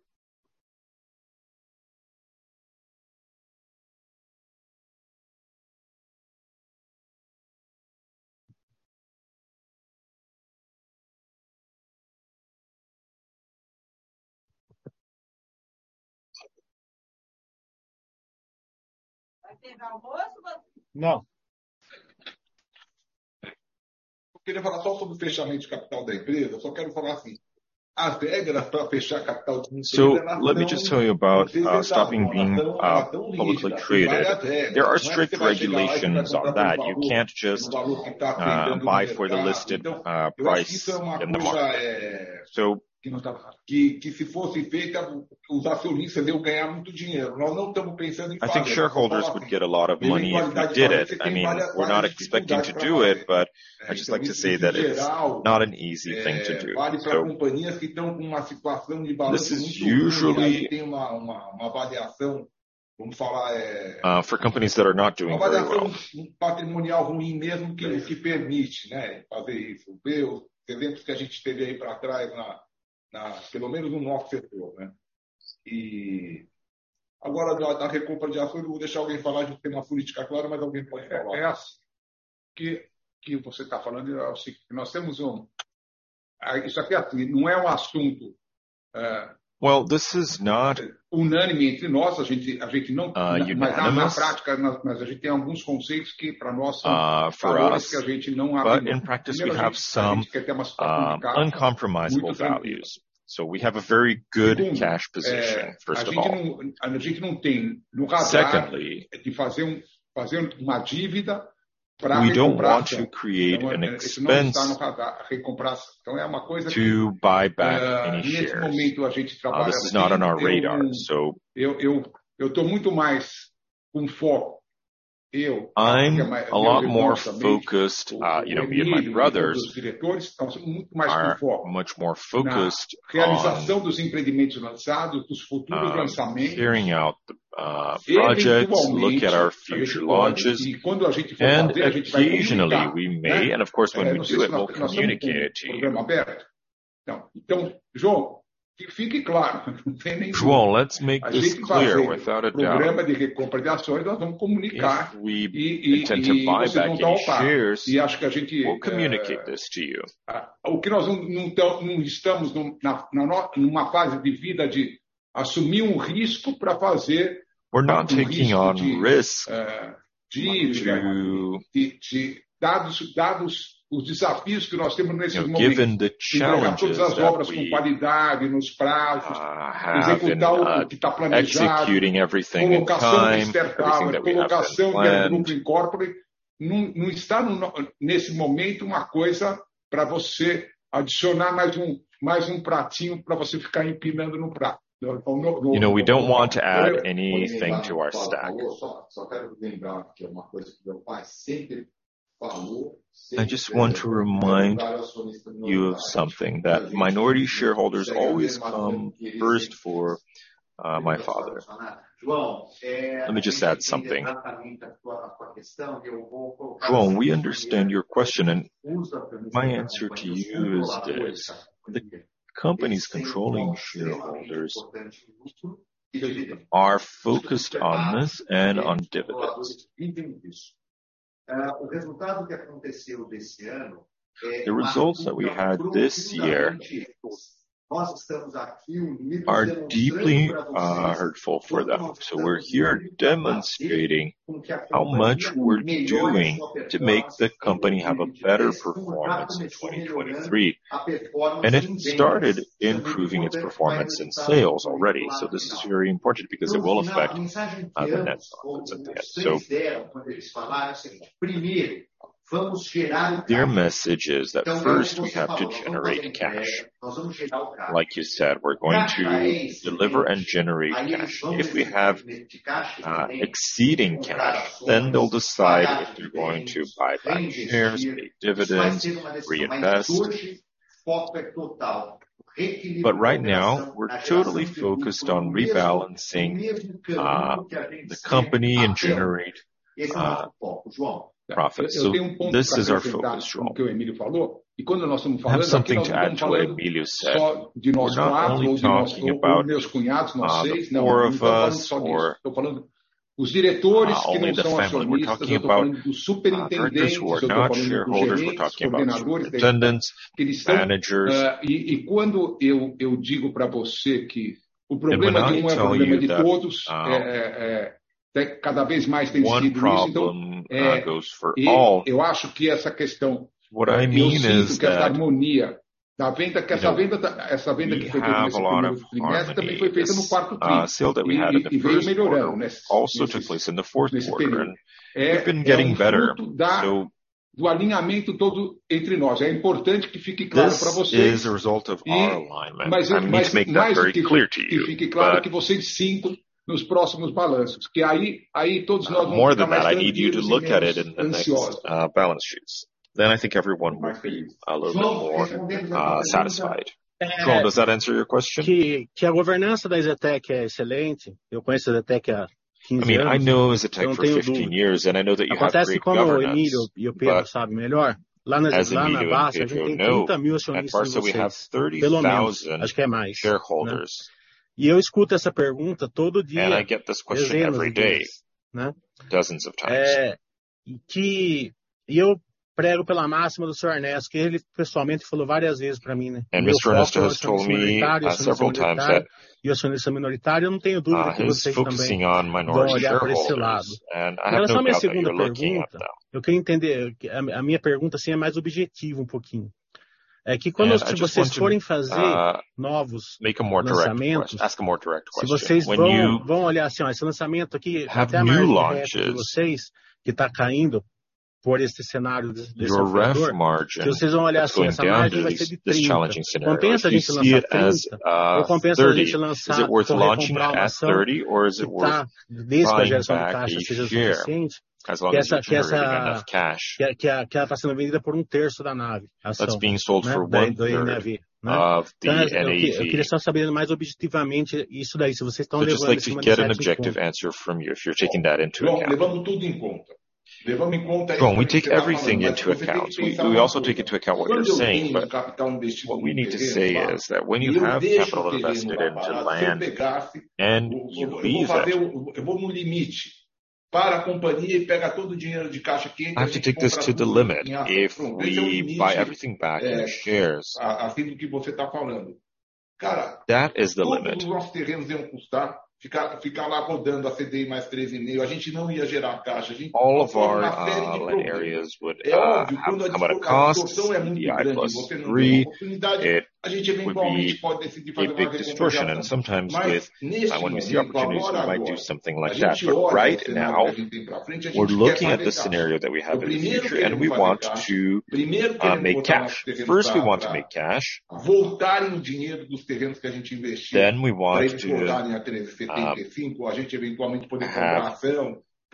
Vai servir almoço, Vani? No. Eu queria falar só sobre o fechamento de capital da empresa. Eu só quero falar assim, as regras pra fechar capital de uma empresa na Bolsa, você inventar uma, ela é tão livre que invade as regras, não é que você vai chegar lá e vai perguntar pro valor, pro valor que tá pendendo no mercado. Eu acho que isso é uma coisa que se fosse feita, os acionistas iam ganhar muito dinheiro. Nós não tamo pensando em fazer, só pra falar que dentro da qualidade do que você tem várias possibilidades pra fazer. Justamente que no geral, vale pra companhias que tão com uma situação de balanço muito ruim, que a gente tem uma avaliação, vamo falar, uma avaliação patrimonial ruim mesmo, que permite, né? Fazer isso. Vê os exemplos que a gente teve aí pra trás pelo menos no nosso setor, né. Agora da recompra de ações, eu vou deixar alguém falar, a gente tem uma política clara, mas alguém pode falar. É assim que você tá falando, é o seguinte: nós temos um, isso aqui é um, não é um assunto. Well, this is not... Unânime entre nós, a gente não, na prática, mas a gente tem alguns conceitos que pra nós são valores que a gente não abre mão. Primeiro, a gente tem que ter uma estrutura de capital muito sólida. Segundo, a gente não tem no radar de fazer uma dívida pra recompra de ação. Isso não está no radar, a recompra. É uma coisa que nesse momento a gente trabalha bem. Eu tô muito mais com foco, porque é mais, meu irmão também, o Guilherme, os outros diretores, estamos muito mais com foco na realização dos empreendimentos lançados, dos futuros lançamentos. Sempre, igualmente, sempre igualmente. Quando a gente for fazer, a gente vai comunicar, né? Nós somos um programa aberto. João, que fique claro, não tem nenhum... João, let's make this clear without a doubt. A gente fazer um programa de recompra de ações, nós vamos comunicar e vocês vão estar ao par. Acho que a gente, a, o que nós não tamo, não estamos numa fase de vida de assumir um risco pra fazer um risco de dados os desafios que nós temos nesses momentos. De entregar todas as obras com qualidade, nos prazos, executar o que tá planejado, colocação de certo valor, colocação dentro do grupo Incorpora. Num está no nesse momento uma coisa pra você adicionar mais um, mais um pratinho pra você ficar empinando no prato. Não, não. You know, we don't want to add anything to our stack. Vou me limitar ao que o Paulo falou. Só quero lembrar que é uma coisa que meu pai sempre falou, sempre, educar o acionista minoritário. A gente sempre chega primeiro quando queremos em nossas concessionárias. João. Let me just add something. Entendi exatamente a tua questão, e eu vou colocar assim pra você. João, we understand your question and my answer to you is this: the company's controlling shareholders are focused on this and on dividends. O resultado que aconteceu desse ano, para o grupo, foi profundamente doloroso. Nós estamos aqui unidos demonstrando pra vocês tudo o que estamos fazendo pra ver como que a companhia melhora sua performance em 2023. Isso tudo acaba melhorando a performance em vendas, que também é um ponto que vai ajudar muito no resultado final. João, a mensagem que ambos os dois vocês deram quando eles falaram é o seguinte: primeiro, vamos gerar o caixa. Aí você falou: "Vamos fazer entrega, nós vamos gerar o caixa." O caixa é esse, gente. Nós vamos decidir se o caixa que tiver entra em comprar ações, pagar dividendos, reinvestir. Isso vai ser uma decisão mais de hoje. Foco é total. Reequilíbrio da empresa, a geração de lucro, o mesmo período que a gente sempre achou. Esse é nosso foco, João. Eu tenho um ponto pra enfrentar o que o Emílio falou. Quando nós estamos falando, a gente não está falando só de nós quatro ou de nós, ou dos meus cunhados, nós seis, não estamos falando só disso. Estou falando os diretores, que não são acionistas. Eu estou falando dos superintendentes, eu estou falando dos gerentes, coordenadores, eles são. E quando eu digo pra você que o problema de um é o problema de todos, é cada vez mais tem sido isso. Eu acho que essa questão do senso, dessa harmonia da venda, que essa venda que foi feita nesse primeiro trimestre também foi feita no quarto trimestre. Veio melhorando nesse período. É o fruto do alinhamento todo entre nós. É importante que fique claro pra vocês. Mais, mais do que claro, que fique claro que vocês sintam nos próximos balanços, que aí todos nós vamos ficar mais do que satisfeitos e ansiosos. João, respondendo à sua pergunta, que a governança da EZTEC é excelente. Eu conheço a EZTEC há 15 anos, não tenho dúvida. Acontece, como o Emílio e o Pedro sabem melhor, lá na base, a gente tem 30,000 acionistas de vocês, pelo menos, acho que é mais, né? E eu escuto essa pergunta todo dia, dezenas de vezes, né? Que eu prego pela máxima do Senhor Ernesto, ele pessoalmente falou várias vezes pra mim, né? Meu foco são os acionistas minoritários. Os acionistas minoritários, eu não tenho dúvida que vocês também vão olhar para esse lado. Só minha segunda pergunta. Eu queria entender, minha pergunta assim é mais objetiva um pouquinho. Quando, se vocês forem fazer novos lançamentos, se vocês vão olhar assim: "Ó, esse lançamento aqui, até a margem ref de vocês, que está caindo por este cenário desse inflador", que vocês vão olhar assim: "Essa margem vai ser de 30%." Compensa a gente lançar 30% ou compensa a gente lançar, comprar uma ação que está, desde que a geração de caixa seja suficiente, que essa, que ela está sendo vendida por um terço da NAV, a ação, né? Da NAV, né? Eu queria só saber mais objetivamente isso daí, se vocês estão levando isso como um certo objetivo. levamos tudo em conta. Levamos em conta. João, we take everything into account. We also take into account what you're saying. What we need to say is that when you have capital invested in land and you leave it... Eu vou no limite para a companhia e pega todo o dinheiro de caixa que entra, a gente compra tudo em ação. Esse é o limite do que você tá falando. That is the limit. Todos os nossos terrenos iam custar, ficar lá rodando a CDI + 13.5%, a gente não ia gerar caixa, a gente ia ficar na férias de pouquinho. É óbvio, quando a distorção é muito grande, você não tem uma oportunidade, a gente é bem calmo e pode decidir fazer uma recompra de ação. Neste momento agora, a gente olha o cenário que a gente tem pra frente, a gente quer fazer caixa. Primeiro a gente quer fazer caixa, queremos fazer caixa, voltar em dinheiro dos terrenos que a gente investiu, pra eles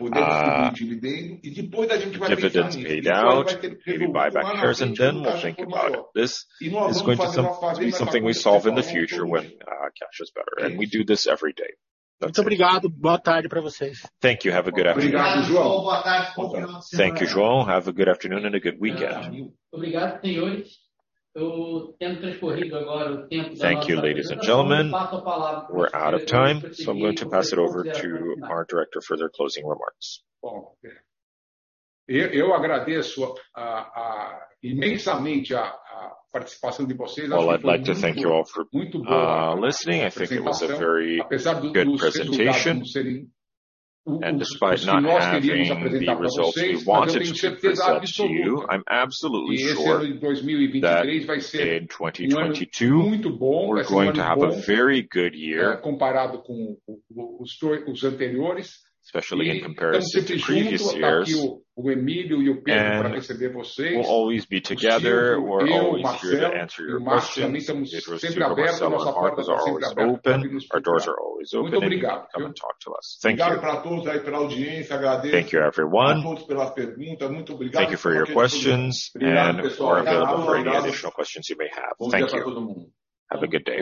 voltarem a 13.75%, a gente eventualmente poder comprar ação, poder distribuir dividendo. Depois a gente vai pensar nisso. Depois vai ter um período lá na frente de caixa que eu estou falando. Nós vamos fazer uma fase mais cautelosa nesse próximo período. Muito obrigado. Boa tarde pra vocês. Thank you. Have a good afternoon. Obrigado, João. Boa tarde. Bom final de semana. Thank you, João. Have a good afternoon and a good weekend. Obrigado, senhores. O tempo transcorrido agora o tempo da nossa apresentação. Eu passo a palavra pro senhor Emílio, Presidente, fazer os seus comentários finais. Eu agradeço imensamente a participação de vocês. Acho que foi muito boa a apresentação. Apesar dos resultados não serem os que nós queríamos apresentar para vocês, eu tenho certeza absoluta que esse ano de 2023 vai ser um ano muito bom, vai ser um ano bom, comparado com os anteriores. Estamos aqui junto, está aqui o Emílio e o Pedro para receber vocês. O Gil, eu, o Marcelo e o Marcelo também estamos sempre abertos, nossa porta está sempre aberta para poder nos procurar. Muito obrigado, viu? Obrigado para todos aí pela audiência. Agradeço a todos pelas perguntas. Muito obrigado. Um ótimo final de semana. Obrigado, pessoal. Boa tarde a todos. Bom dia para todo mundo. Have a good day.